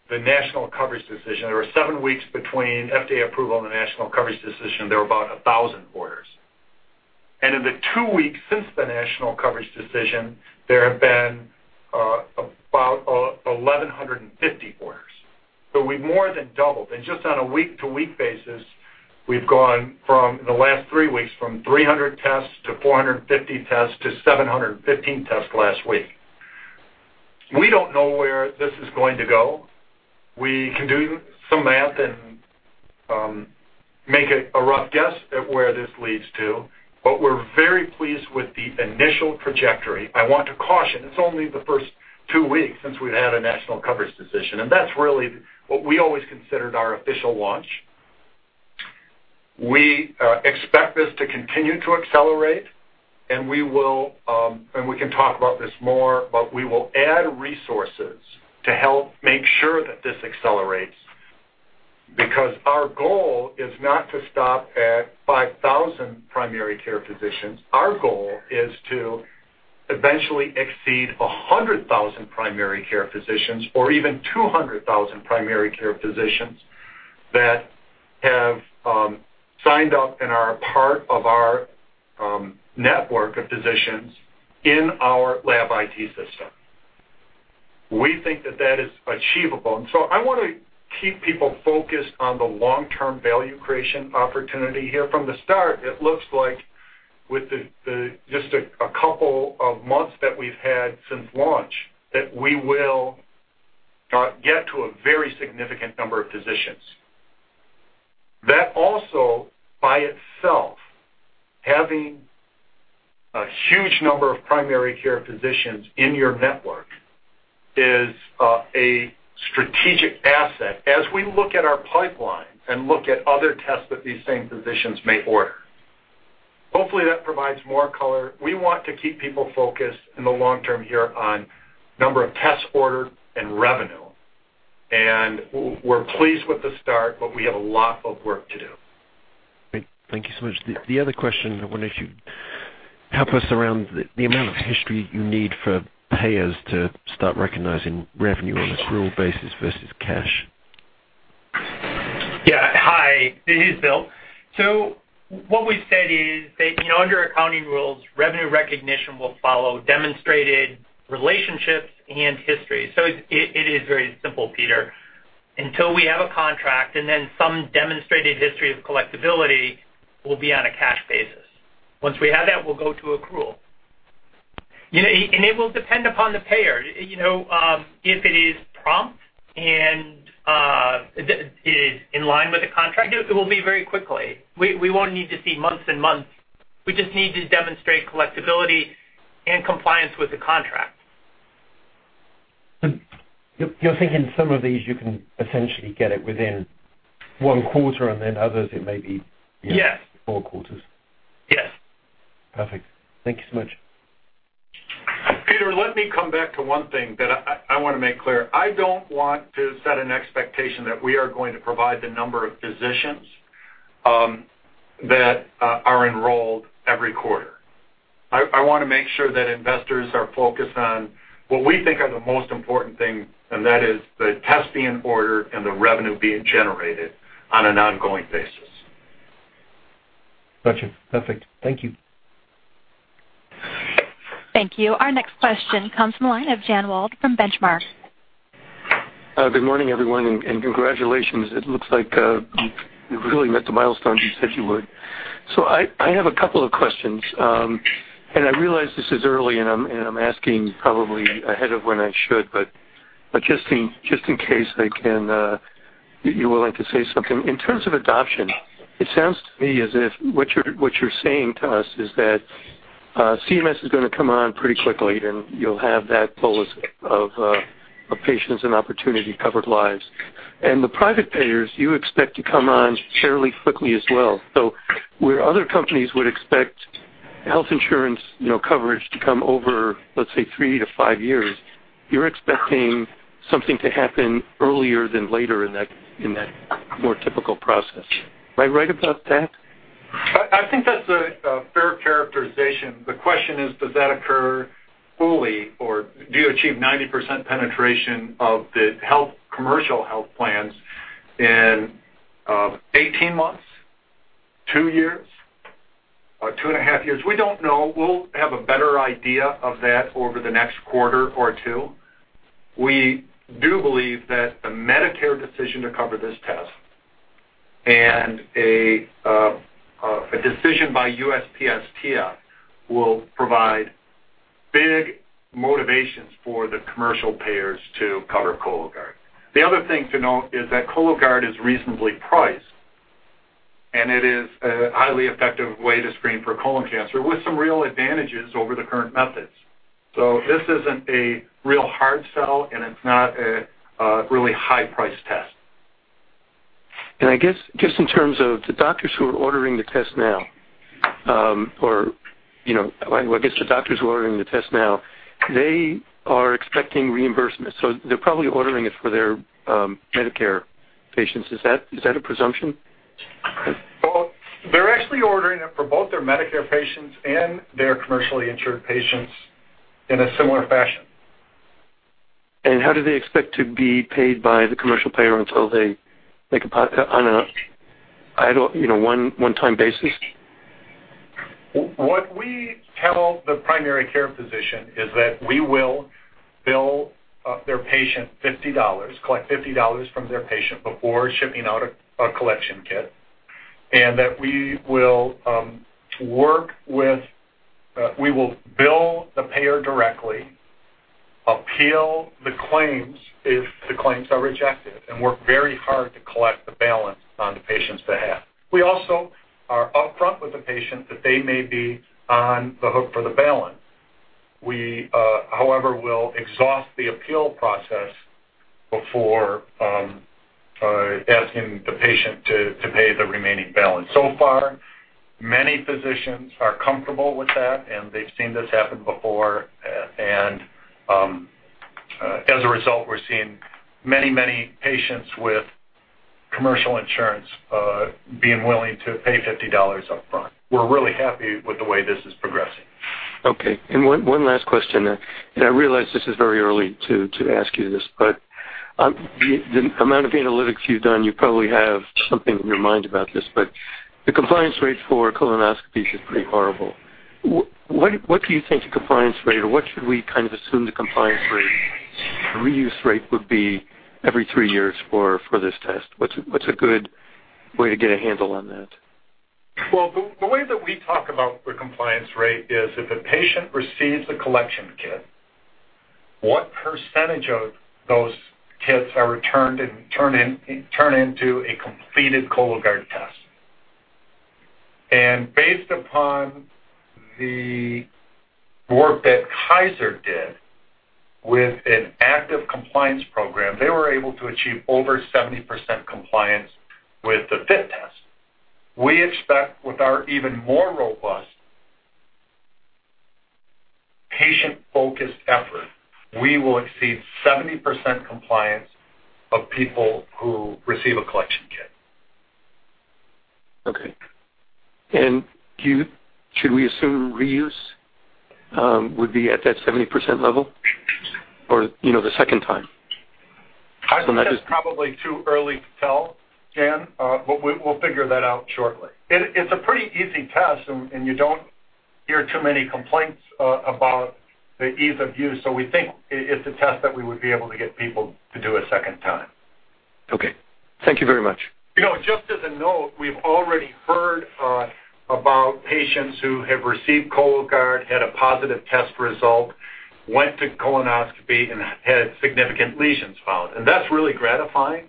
the national coverage decision—there were seven weeks between FDA approval and the national coverage decision—there were about 1,000 orders. In the two weeks since the national coverage decision, there have been about 1,150 orders. We've more than doubled. Just on a week-to-week basis, we've gone from, in the last three weeks, from 300 tests to 450 tests to 715 tests last week. We don't know where this is going to go. We can do some math and make a rough guess at where this leads to. We're very pleased with the initial trajectory. I want to caution, it's only the first two weeks since we've had a national coverage decision. That's really what we always considered our official launch. We expect this to continue to accelerate. We can talk about this more, but we will add resources to help make sure that this accelerates. Our goal is not to stop at 5,000 primary care physicians. Our goal is to eventually exceed 100,000 primary care physicians or even 200,000 primary care physicians that have signed up and are part of our network of physicians in our lab IT system. We think that that is achievable. I want to keep people focused on the long-term value creation opportunity here. From the start, it looks like with just a couple of months that we've had since launch that we will get to a very significant number of physicians. That also, by itself, having a huge number of primary care physicians in your network is a strategic asset as we look at our pipeline and look at other tests that these same physicians may order. Hopefully, that provides more color. We want to keep people focused in the long term here on the number of tests ordered and revenue. We're pleased with the start, but we have a lot of work to do. Great. Thank you so much. The other question, I wonder if you'd help us around the amount of history you need for payers to start recognizing revenue on an accrual basis versus cash. Yeah. Hi. This is Bill. What we said is that under accounting rules, revenue recognition will follow demonstrated relationships and history. It is very simple, Peter. Until we have a contract and then some demonstrated history of collectibility, we'll be on a cash basis. Once we have that, we'll go to accrual. It will depend upon the payer. If it is prompt and it is in line with the contract, it will be very quickly. We won't need to see months and months. We just need to demonstrate collectibility and compliance with the contract. You're thinking some of these you can essentially get it within one quarter, and then others it may be four quarters. Yes. Yes. Perfect. Thank you so much. Peter, let me come back to one thing that I want to make clear. I don't want to set an expectation that we are going to provide the number of physicians that are enrolled every quarter. I want to make sure that investors are focused on what we think are the most important things, and that is the test being ordered and the revenue being generated on an ongoing basis. Gotcha. Perfect. Thank you. Thank you. Our next question comes from the line of Jan Wald from Benchmark. Good morning, everyone. And congratulations. It looks like you've really met the milestones you said you would. I have a couple of questions. I realize this is early, and I'm asking probably ahead of when I should. Just in case I can—are you willing to say something? In terms of adoption, it sounds to me as if what you're saying to us is that CMS is going to come on pretty quickly, and you'll have that full of patients and opportunity-covered lives. The private payers, you expect to come on fairly quickly as well. Where other companies would expect health insurance coverage to come over, let's say, three to five years, you're expecting something to happen earlier than later in that more typical process. Am I right about that? I think that's a fair characterization. The question is, does that occur fully, or do you achieve 90% penetration of the commercial health plans in 18 months, two years, two and a half years? We don't know. We'll have a better idea of that over the next quarter or two. We do believe that the Medicare decision to cover this test and a decision by USPSTF will provide big motivations for the commercial payers to cover Cologuard. The other thing to note is that Cologuard is reasonably priced, and it is a highly effective way to screen for colon cancer with some real advantages over the current methods. This isn't a real hard sell, and it's not a really high-priced test. I guess just in terms of the doctors who are ordering the test now, or I guess the doctors who are ordering the test now, they are expecting reimbursement. They're probably ordering it for their Medicare patients. Is that a presumption? They're actually ordering it for both their Medicare patients and their commercially insured patients in a similar fashion. How do they expect to be paid by the commercial payer until they make a one-time basis? What we tell the primary care physician is that we will bill their patient $50, collect $50 from their patient before shipping out a collection kit, and that we will work with—we will bill the payer directly, appeal the claims if the claims are rejected, and work very hard to collect the balance on the patient's behalf. We also are upfront with the patient that they may be on the hook for the balance. We, however, will exhaust the appeal process before asking the patient to pay the remaining balance. So far, many physicians are comfortable with that, and they've seen this happen before. As a result, we're seeing many, many patients with commercial insurance being willing to pay $50 upfront. We're really happy with the way this is progressing. Okay. One last question. I realize this is very early to ask you this, but the amount of analytics you've done, you probably have something in your mind about this. The compliance rate for colonoscopies is pretty horrible. What do you think the compliance rate—or what should we kind of assume the compliance rate, reuse rate would be every three years for this test? What's a good way to get a handle on that? The way that we talk about the compliance rate is if a patient receives a collection kit, what percentage of those kits are returned and turned into a completed Cologuard test? Based upon the work that Kaiser did with an active compliance program, they were able to achieve over 70% compliance with the FIT test. We expect with our even more robust patient-focused effort, we will exceed 70% compliance of people who receive a collection kit. Okay. And should we assume reuse would be at that 70% level or the second time? Kaiser is probably too early to tell, Jan, but we'll figure that out shortly. It's a pretty easy test, and you don't hear too many complaints about the ease of use. We think it's a test that we would be able to get people to do a second time. Okay. Thank you very much. Just as a note, we've already heard about patients who have received Cologuard, had a positive test result, went to colonoscopy, and had significant lesions found. That's really gratifying.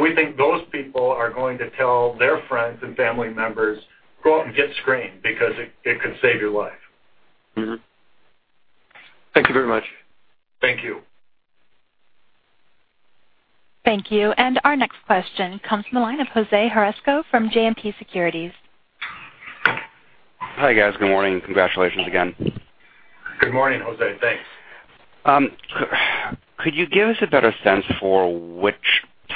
We think those people are going to tell their friends and family members, "Go out and get screened because it could save your life." Thank you very much. Thank you. Thank you. Our next question comes from the line of Jose Joresco from JMP Securities. Hi, guys. Good morning. Congratulations again. Good morning, Jose. Thanks. Could you give us a better sense for which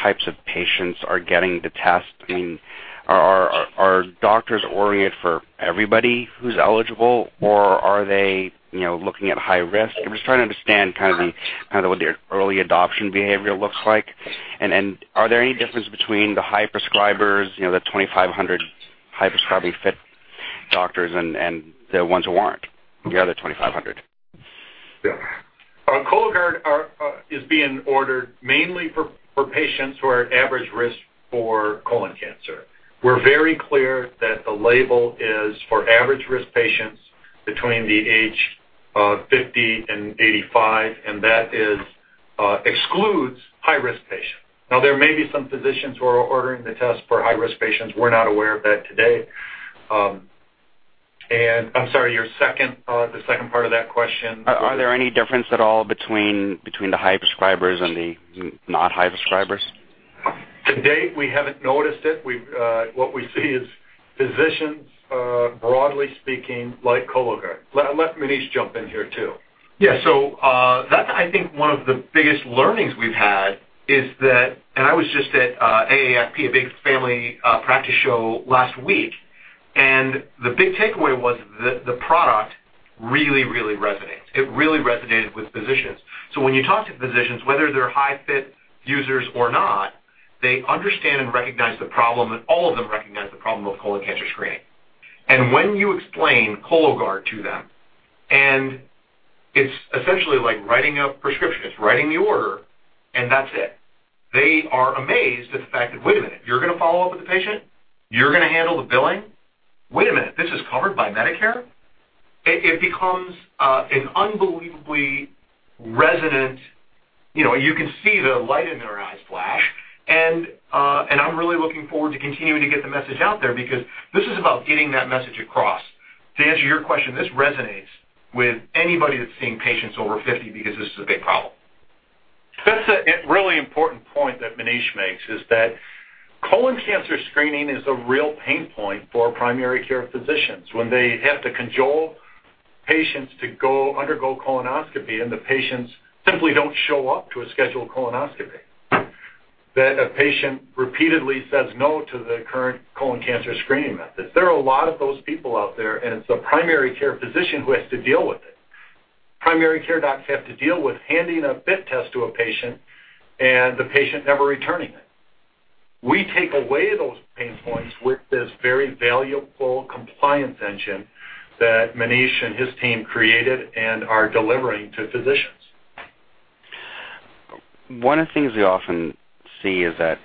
types of patients are getting the test? I mean, are doctors ordering it for everybody who's eligible, or are they looking at high risk? I'm just trying to understand kind of what the early adoption behavior looks like. Are there any differences between the high prescribers, the 2,500 high prescribing FIT doctors, and the ones who aren't? The other 2,500. Yeah. Cologuard is being ordered mainly for patients who are at average risk for colon cancer. We're very clear that the label is for average risk patients between the age of 50 and 85, and that excludes high-risk patients. Now, there may be some physicians who are ordering the test for high-risk patients. We're not aware of that today. I'm sorry, the second part of that question. Are there any differences at all between the high prescribers and the not high prescribers? To date, we haven't noticed it. What we see is physicians, broadly speaking, like Cologuard. Let Maneesh jump in here too. Yeah. That's, I think, one of the biggest learnings we've had is that—I was just at AAFP, a big family practice show last week—and the big takeaway was that the product really, really resonates. It really resonated with physicians. When you talk to physicians, whether they're high FIT users or not, they understand and recognize the problem, and all of them recognize the problem of colon cancer screening. When you explain Cologuard to them, and it's essentially like writing a prescription. It's writing the order, and that's it. They are amazed at the fact that, "Wait a minute. You're going to follow up with the patient? You're going to handle the billing? Wait a minute. This is covered by Medicare?" It becomes an unbelievably resonant—you can see the light in their eyes flash. I'm really looking forward to continuing to get the message out there because this is about getting that message across. To answer your question, this resonates with anybody that's seeing patients over 50 because this is a big problem. That's a really important point that Maneesh makes is that colon cancer screening is a real pain point for primary care physicians when they have to cajole patients to undergo colonoscopy, and the patients simply don't show up to a scheduled colonoscopy. That a patient repeatedly says no to the current colon cancer screening methods. There are a lot of those people out there, and it's the primary care physician who has to deal with it. Primary care doctors have to deal with handing a FIT test to a patient and the patient never returning it. We take away those pain points with this very valuable compliance engine that Maneesh and his team created and are delivering to physicians. One of the things we often see is that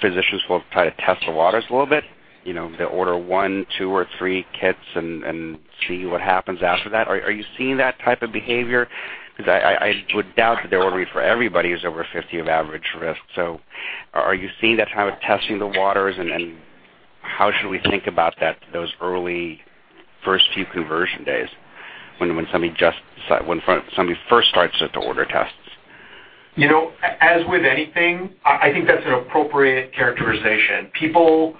physicians will try to test the waters a little bit. They'll order one, two, or three kits and see what happens after that. Are you seeing that type of behavior? Because I would doubt that they're ordering for everybody who's over 50 of average risk. Are you seeing that type of testing the waters, and how should we think about those early first few conversion days when somebody first starts to order tests? As with anything, I think that's an appropriate characterization. People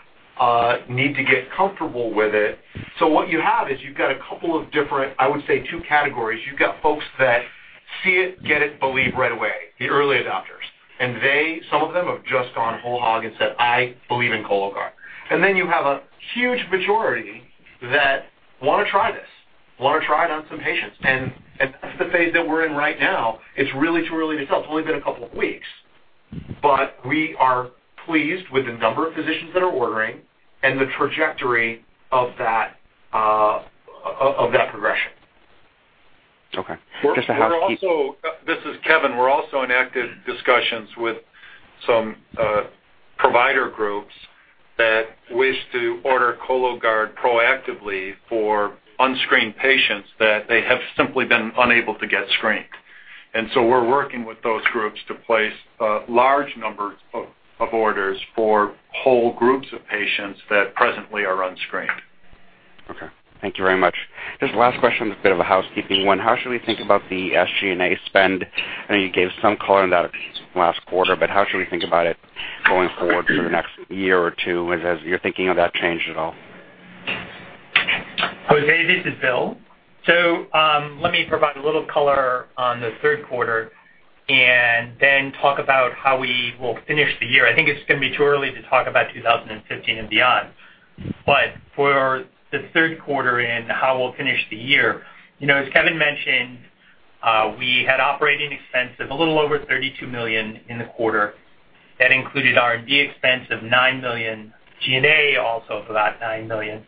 need to get comfortable with it. What you have is you've got a couple of different, I would say, two categories. You've got folks that see it, get it, believe right away, the early adopters. Some of them have just gone whole hog and said, "I believe in Cologuard." Then you have a huge majority that want to try this, want to try it on some patients. That's the phase that we're in right now. It's really too early to tell. It's only been a couple of weeks, but we are pleased with the number of physicians that are ordering and the trajectory of that progression. Okay. Just to have a few. This is Kevin. We're also in active discussions with some provider groups that wish to order Cologuard proactively for unscreened patients that they have simply been unable to get screened. We are working with those groups to place large numbers of orders for whole groups of patients that presently are unscreened. Okay. Thank you very much. Just last question, a bit of a housekeeping one. How should we think about the SG&A spend? I know you gave some color on that last quarter, but how should we think about it going forward for the next year or two? Has your thinking on that changed at all? Jose, this is Bill. Let me provide a little color on the third quarter and then talk about how we will finish the year. I think it's going to be too early to talk about 2015 and beyond. For the third quarter and how we'll finish the year, as Kevin mentioned, we had operating expenses a little over $32 million in the quarter. That included R&D expense of $9 million, G&A also about $9 million,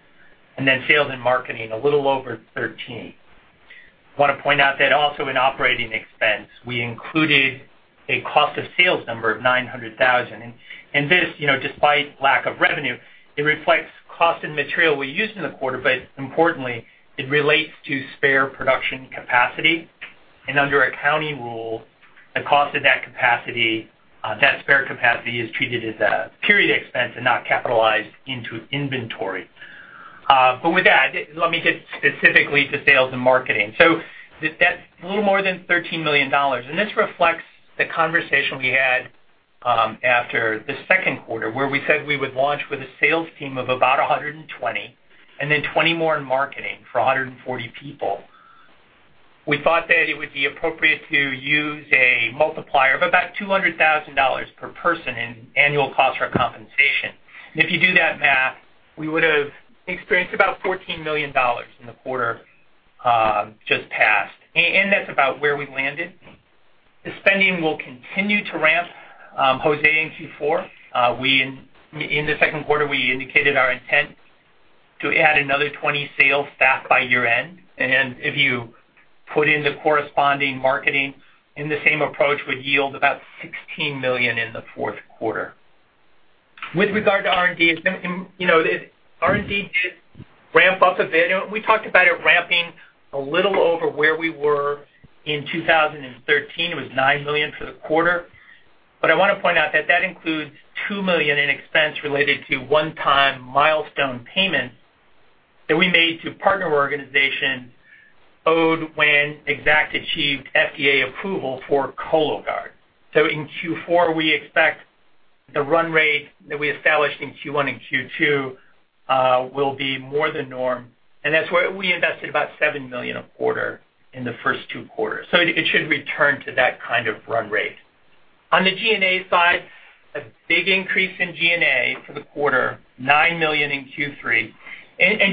and then sales and marketing a little over $13 million. I want to point out that also in operating expense, we included a cost of sales number of $900,000. This, despite lack of revenue, reflects cost and material we used in the quarter, but importantly, it relates to spare production capacity. Under accounting rules, the cost of that capacity, that spare capacity, is treated as a period expense and not capitalized into inventory. With that, let me get specifically to sales and marketing. That is a little more than $13 million. This reflects the conversation we had after the second quarter where we said we would launch with a sales team of about 120 and then 20 more in marketing for 140 people. We thought that it would be appropriate to use a multiplier of about $200,000 per person in annual cost recompensation. If you do that math, we would have experienced about $14 million in the quarter just past. That is about where we landed. The spending will continue to ramp, Jose, in Q4. In the second quarter, we indicated our intent to add another 20 sales staff by year-end. If you put in the corresponding marketing, the same approach would yield about $16 million in the fourth quarter. With regard to R&D, R&D did ramp up a bit. We talked about it ramping a little over where we were in 2013. It was $9 million for the quarter. I want to point out that that includes $2 million in expense related to one-time milestone payments that we made to partner organizations owed when Exact achieved FDA approval for Cologuard. In Q4, we expect the run rate that we established in Q1 and Q2 will be more the norm. That's where we invested about $7 million a quarter in the first two quarters. It should return to that kind of run rate. On the G&A side, a big increase in G&A for the quarter, $9 million in Q3.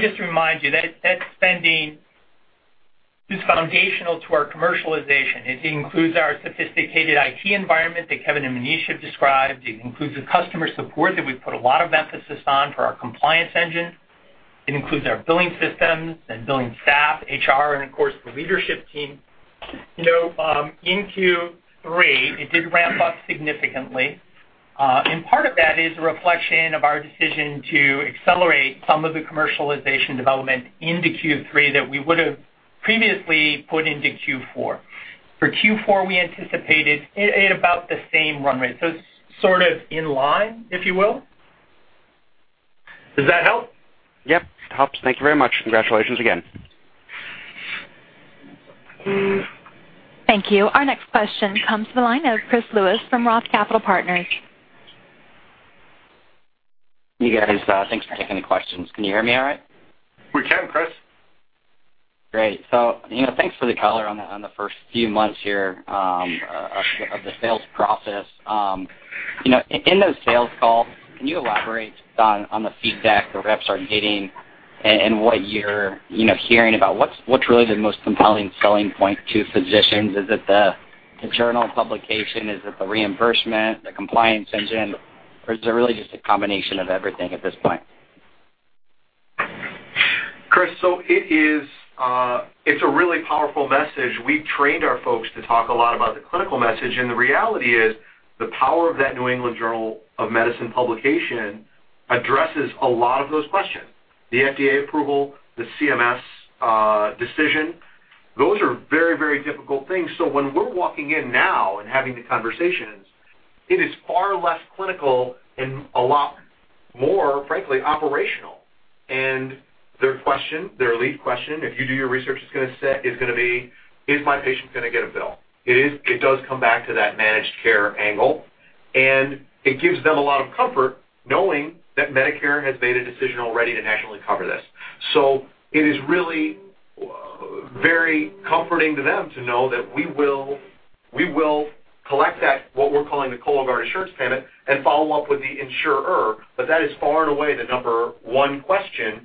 Just to remind you, that spending is foundational to our commercialization. It includes our sophisticated IT environment that Kevin and Maneesh have described. It includes the customer support that we've put a lot of emphasis on for our compliance engine. It includes our billing systems and billing staff, HR, and of course, the leadership team. In Q3, it did ramp up significantly. Part of that is a reflection of our decision to accelerate some of the commercialization development into Q3 that we would have previously put into Q4. For Q4, we anticipated about the same run rate. It is sort of in line, if you will. Does that help? Yep. It helps. Thank you very much. Congratulations again. Thank you. Our next question comes from the line of Chris Lewis from Roth Capital Partners. Hey, guys. Thanks for taking the questions. Can you hear me all right? We can, Chris. Great. Thanks for the color on the first few months here of the sales process. In those sales calls, can you elaborate on the feedback the reps are getting and what you're hearing about? What's really the most compelling selling point to physicians? Is it the journal publication? Is it the reimbursement, the compliance engine? Or is there really just a combination of everything at this point? Chris, it's a really powerful message. We've trained our folks to talk a lot about the clinical message. The reality is the power of that New England Journal of Medicine publication addresses a lot of those questions. The FDA approval, the CMS decision, those are very, very difficult things. When we're walking in now and having the conversations, it is far less clinical and a lot more, frankly, operational. Their lead question, if you do your research, is going to be, "Is my patient going to get a bill?" It does come back to that managed care angle. It gives them a lot of comfort knowing that Medicare has made a decision already to nationally cover this. It is really very comforting to them to know that we will collect what we're calling the Cologuard insurance payment and follow up with the insurer. That is far and away the number one question.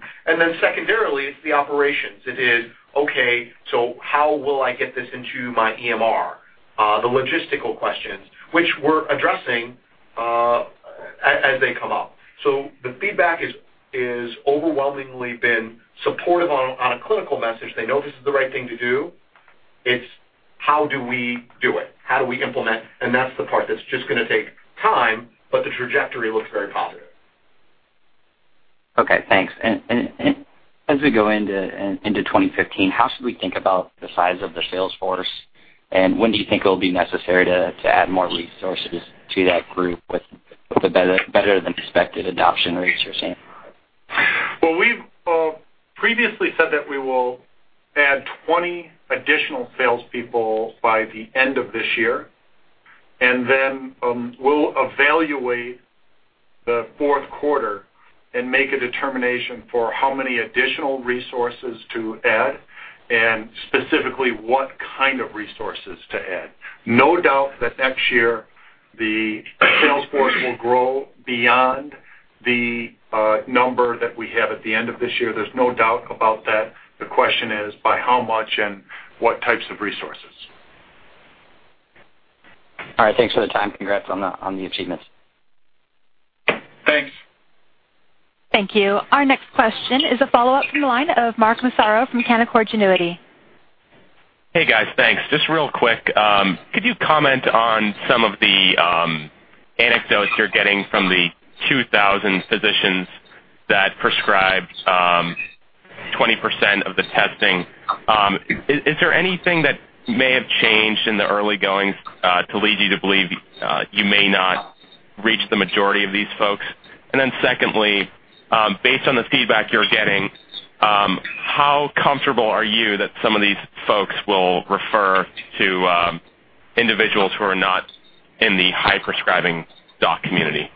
Secondarily, it's the operations. It is, "Okay, how will I get this into my EMR?" The logistical questions, which we're addressing as they come up. The feedback has overwhelmingly been supportive on a clinical message. They know this is the right thing to do. It's, "How do we do it? How do we implement? That's the part that's just going to take time, but the trajectory looks very positive. Okay. Thanks. As we go into 2015, how should we think about the size of the sales force? When do you think it will be necessary to add more resources to that group with a better-than-expected adoption rate you're seeing? We've previously said that we will add 20 additional salespeople by the end of this year. Then we'll evaluate the fourth quarter and make a determination for how many additional resources to add and specifically what kind of resources to add. No doubt that next year the sales force will grow beyond the number that we have at the end of this year. There's no doubt about that. The question is, by how much and what types of resources? All right. Thanks for the time. Congrats on the achievements. Thanks. Thank you. Our next question is a follow-up from the line of Mark Massaro from Canaccord Genuity. Hey, guys. Thanks. Just real quick, could you comment on some of the anecdotes you're getting from the 2,000 physicians that prescribed 20% of the testing? Is there anything that may have changed in the early goings to lead you to believe you may not reach the majority of these folks? Secondly, based on the feedback you're getting, how comfortable are you that some of these folks will refer to individuals who are not in the high-prescribing doc community?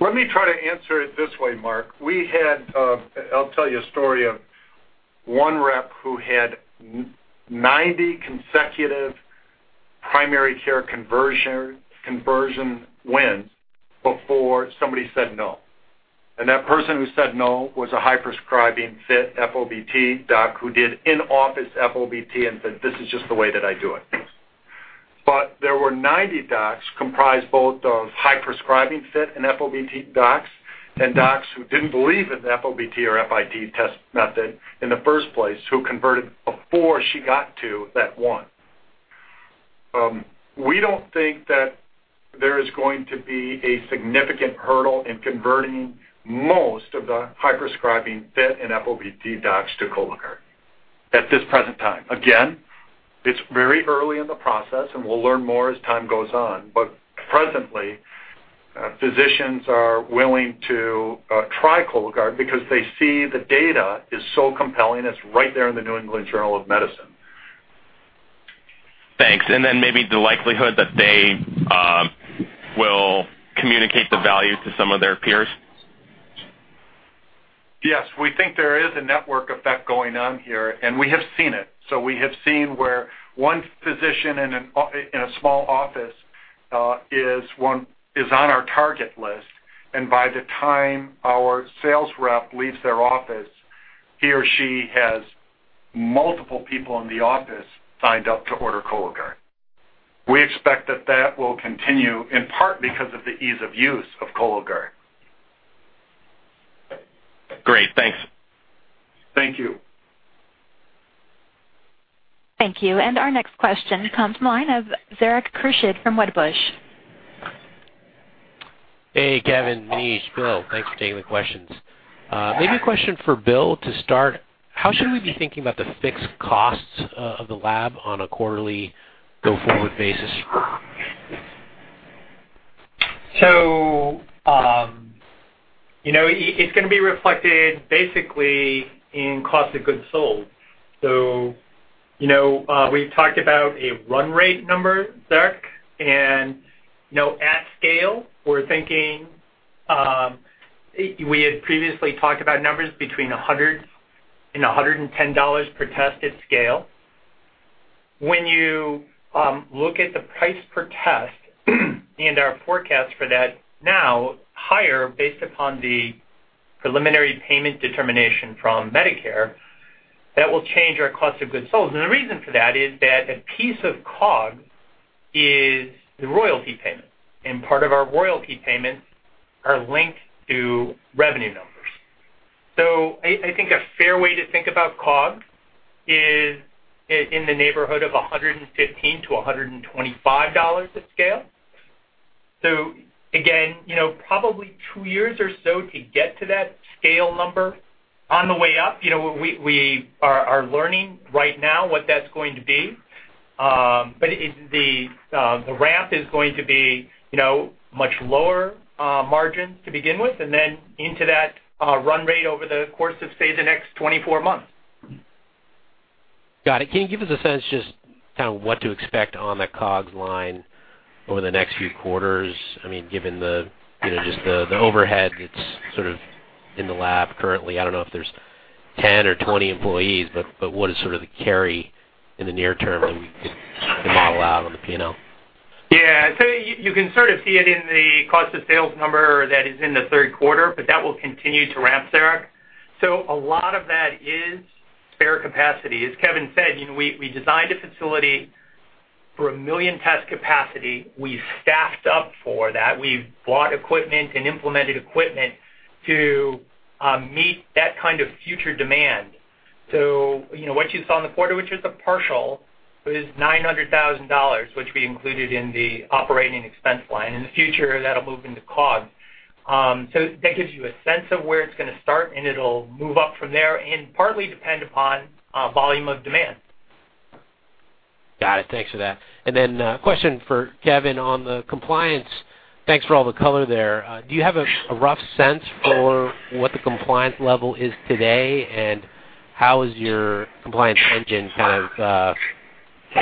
Let me try to answer it this way, Mark. I'll tell you a story of one rep who had 90 consecutive primary care conversion wins before somebody said no. That person who said no was a high-prescribing FIT FOBT doc who did in-office FOBT and said, "This is just the way that I do it." There were 90 docs comprised both of high-prescribing FIT and FOBT docs and docs who did not believe in the FOBT or FIT test method in the first place who converted before she got to that one. We do not think that there is going to be a significant hurdle in converting most of the high-prescribing FIT and FOBT docs to Cologuard at this present time. It is very early in the process, and we will learn more as time goes on. Presently, physicians are willing to try Cologuard because they see the data is so compelling. It is right there in the New England Journal of Medicine. Thanks. Maybe the likelihood that they will communicate the value to some of their peers? Yes. We think there is a network effect going on here, and we have seen it. We have seen where one physician in a small office is on our target list, and by the time our sales rep leaves their office, he or she has multiple people in the office signed up to order Cologuard. We expect that that will continue in part because of the ease of use of Cologuard. Great. Thanks. Thank you. Thank you. Our next question comes from the line of Zeric Kruschid from Wedbush. Hey, Kevin, Maneesh, Bill. Thanks for taking the questions. Maybe a question for Bill to start. How should we be thinking about the fixed costs of the lab on a quarterly go-forward basis? It is going to be reflected basically in cost of goods sold. We have talked about a run rate number, Zeric. At scale, we're thinking we had previously talked about numbers between $100 and $110 per test at scale. When you look at the price per test and our forecast for that now, higher based upon the preliminary payment determination from Medicare, that will change our cost of goods sold. The reason for that is that a piece of COG is the royalty payment. Part of our royalty payments are linked to revenue numbers. I think a fair way to think about COG is in the neighborhood of $115-$125 at scale. Again, probably two years or so to get to that scale number. On the way up, we are learning right now what that's going to be. The ramp is going to be much lower margins to begin with and then into that run rate over the course of, say, the next 24 months. Got it. Can you give us a sense just kind of what to expect on the COGs line over the next few quarters? I mean, given just the overhead that's sort of in the lab currently. I don't know if there's 10 or 20 employees, but what is sort of the carry in the near term that we could model out on the P&L? Yeah. You can sort of see it in the cost of sales number that is in the third quarter, but that will continue to ramp, Zeric. A lot of that is spare capacity. As Kevin said, we designed a facility for a million test capacity. We staffed up for that. We bought equipment and implemented equipment to meet that kind of future demand. What you saw in the quarter, which is a partial, is $900,000, which we included in the operating expense line. In the future, that'll move into COG. That gives you a sense of where it's going to start, and it'll move up from there and partly depend upon volume of demand. Got it. Thanks for that. A question for Kevin on the compliance. Thanks for all the color there. Do you have a rough sense for what the compliance level is today? How is your compliance engine kind of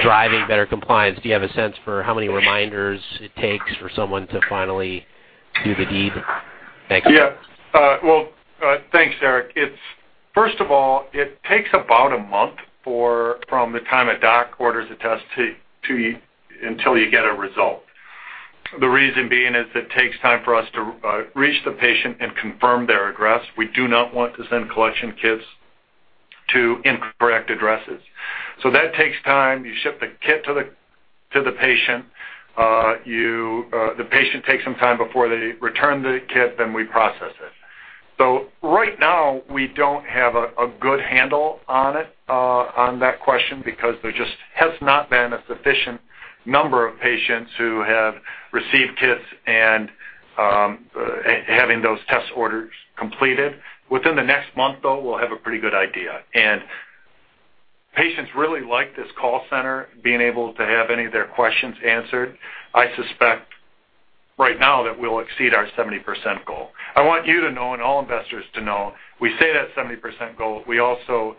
driving better compliance? Do you have a sense for how many reminders it takes for someone to finally do the deed? Thanks. Yeah. Thanks, Zeric. First of all, it takes about a month from the time a doc orders a test until you get a result. The reason being is it takes time for us to reach the patient and confirm their address. We do not want to send collection kits to incorrect addresses. That takes time. You ship the kit to the patient. The patient takes some time before they return the kit, then we process it. Right now, we do not have a good handle on that question because there just has not been a sufficient number of patients who have received kits and having those test orders completed. Within the next month, though, we will have a pretty good idea. Patients really like this call center, being able to have any of their questions answered. I suspect right now that we will exceed our 70% goal. I want you to know and all investors to know we say that 70% goal. We also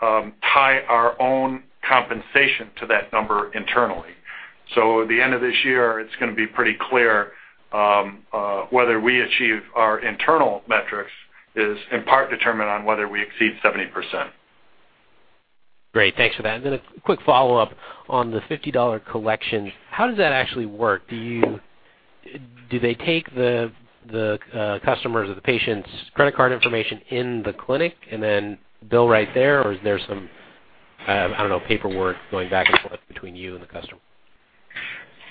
tie our own compensation to that number internally. At the end of this year, it is going to be pretty clear whether we achieve our internal metrics is in part determined on whether we exceed 70%. Great. Thanks for that. A quick follow-up on the $50 collections. How does that actually work? Do they take the customers' or the patients' credit card information in the clinic and then bill right there? Is there some, I do not know, paperwork going back and forth between you and the customer?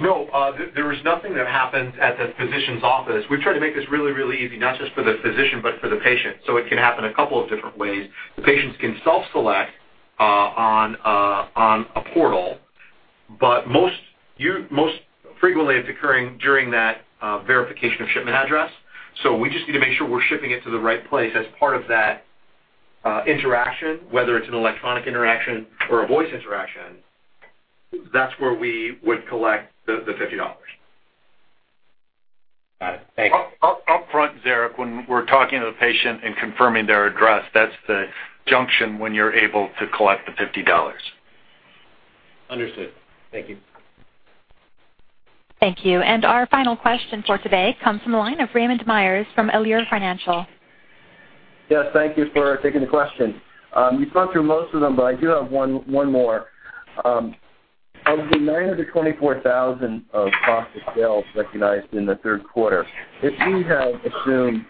No. There is nothing that happens at the physician's office. We have tried to make this really, really easy, not just for the physician, but for the patient. It can happen a couple of different ways. The patients can self-select on a portal. Most frequently, it's occurring during that verification of shipment address. We just need to make sure we're shipping it to the right place as part of that interaction, whether it's an electronic interaction or a voice interaction. That's where we would collect the $50. Got it. Thanks. Upfront, Zeric, when we're talking to the patient and confirming their address, that's the junction when you're able to collect the $50. Understood. Thank you. Thank you. Our final question for today comes from the line of Raymond Myers from Elliott Financial. Yes. Thank you for taking the question. You've gone through most of them, but I do have one more. Of the $924,000 of cost of sales recognized in the third quarter, if we had assumed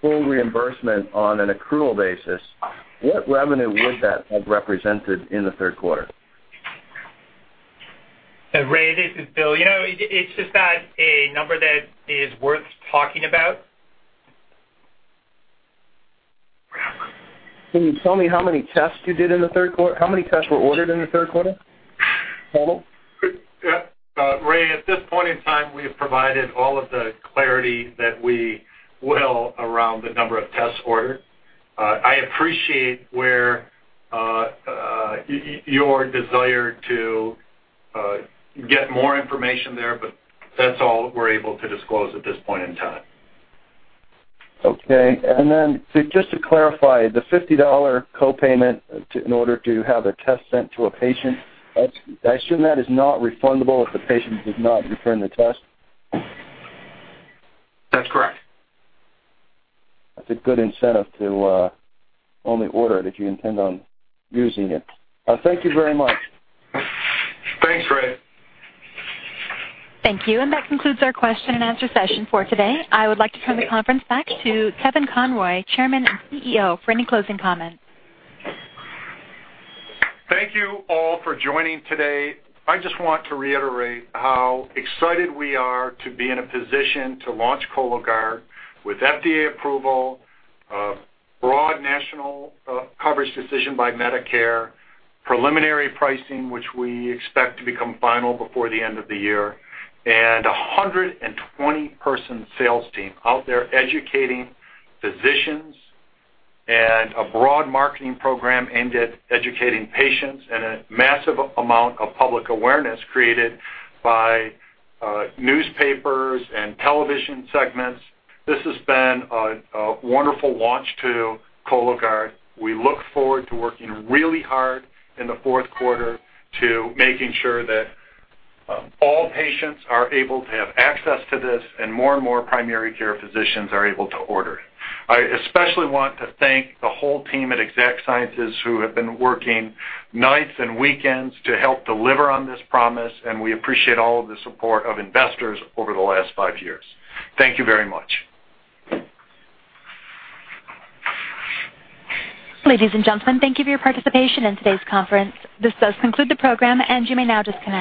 full reimbursement on an accrual basis, what revenue would that have represented in the third quarter? Ray, this is Bill. It's just not a number that is worth talking about. Can you tell me how many tests you did in the third quarter? How many tests were ordered in the third quarter total? Ray, at this point in time, we have provided all of the clarity that we will around the number of tests ordered. I appreciate your desire to get more information there, but that's all we're able to disclose at this point in time. Okay. And then just to clarify, the $50 copayment in order to have a test sent to a patient, I assume that is not refundable if the patient does not return the test? That's correct. That's a good incentive to only order it if you intend on using it. Thank you very much. Thanks, Ray. Thank you. That concludes our question and answer session for today. I would like to turn the conference back to Kevin Conroy, Chairman and CEO, for any closing comments. Thank you all for joining today. I just want to reiterate how excited we are to be in a position to launch Cologuard with FDA approval, a broad national coverage decision by Medicare, preliminary pricing, which we expect to become final before the end of the year, and a 120-person sales team out there educating physicians and a broad marketing program aimed at educating patients and a massive amount of public awareness created by newspapers and television segments. This has been a wonderful launch to Cologuard. We look forward to working really hard in the fourth quarter to making sure that all patients are able to have access to this and more and more primary care physicians are able to order it. I especially want to thank the whole team at Exact Sciences who have been working nights and weekends to help deliver on this promise. We appreciate all of the support of investors over the last five years. Thank you very much. Ladies and gentlemen, thank you for your participation in today's conference. This does conclude the program, and you may now disconnect.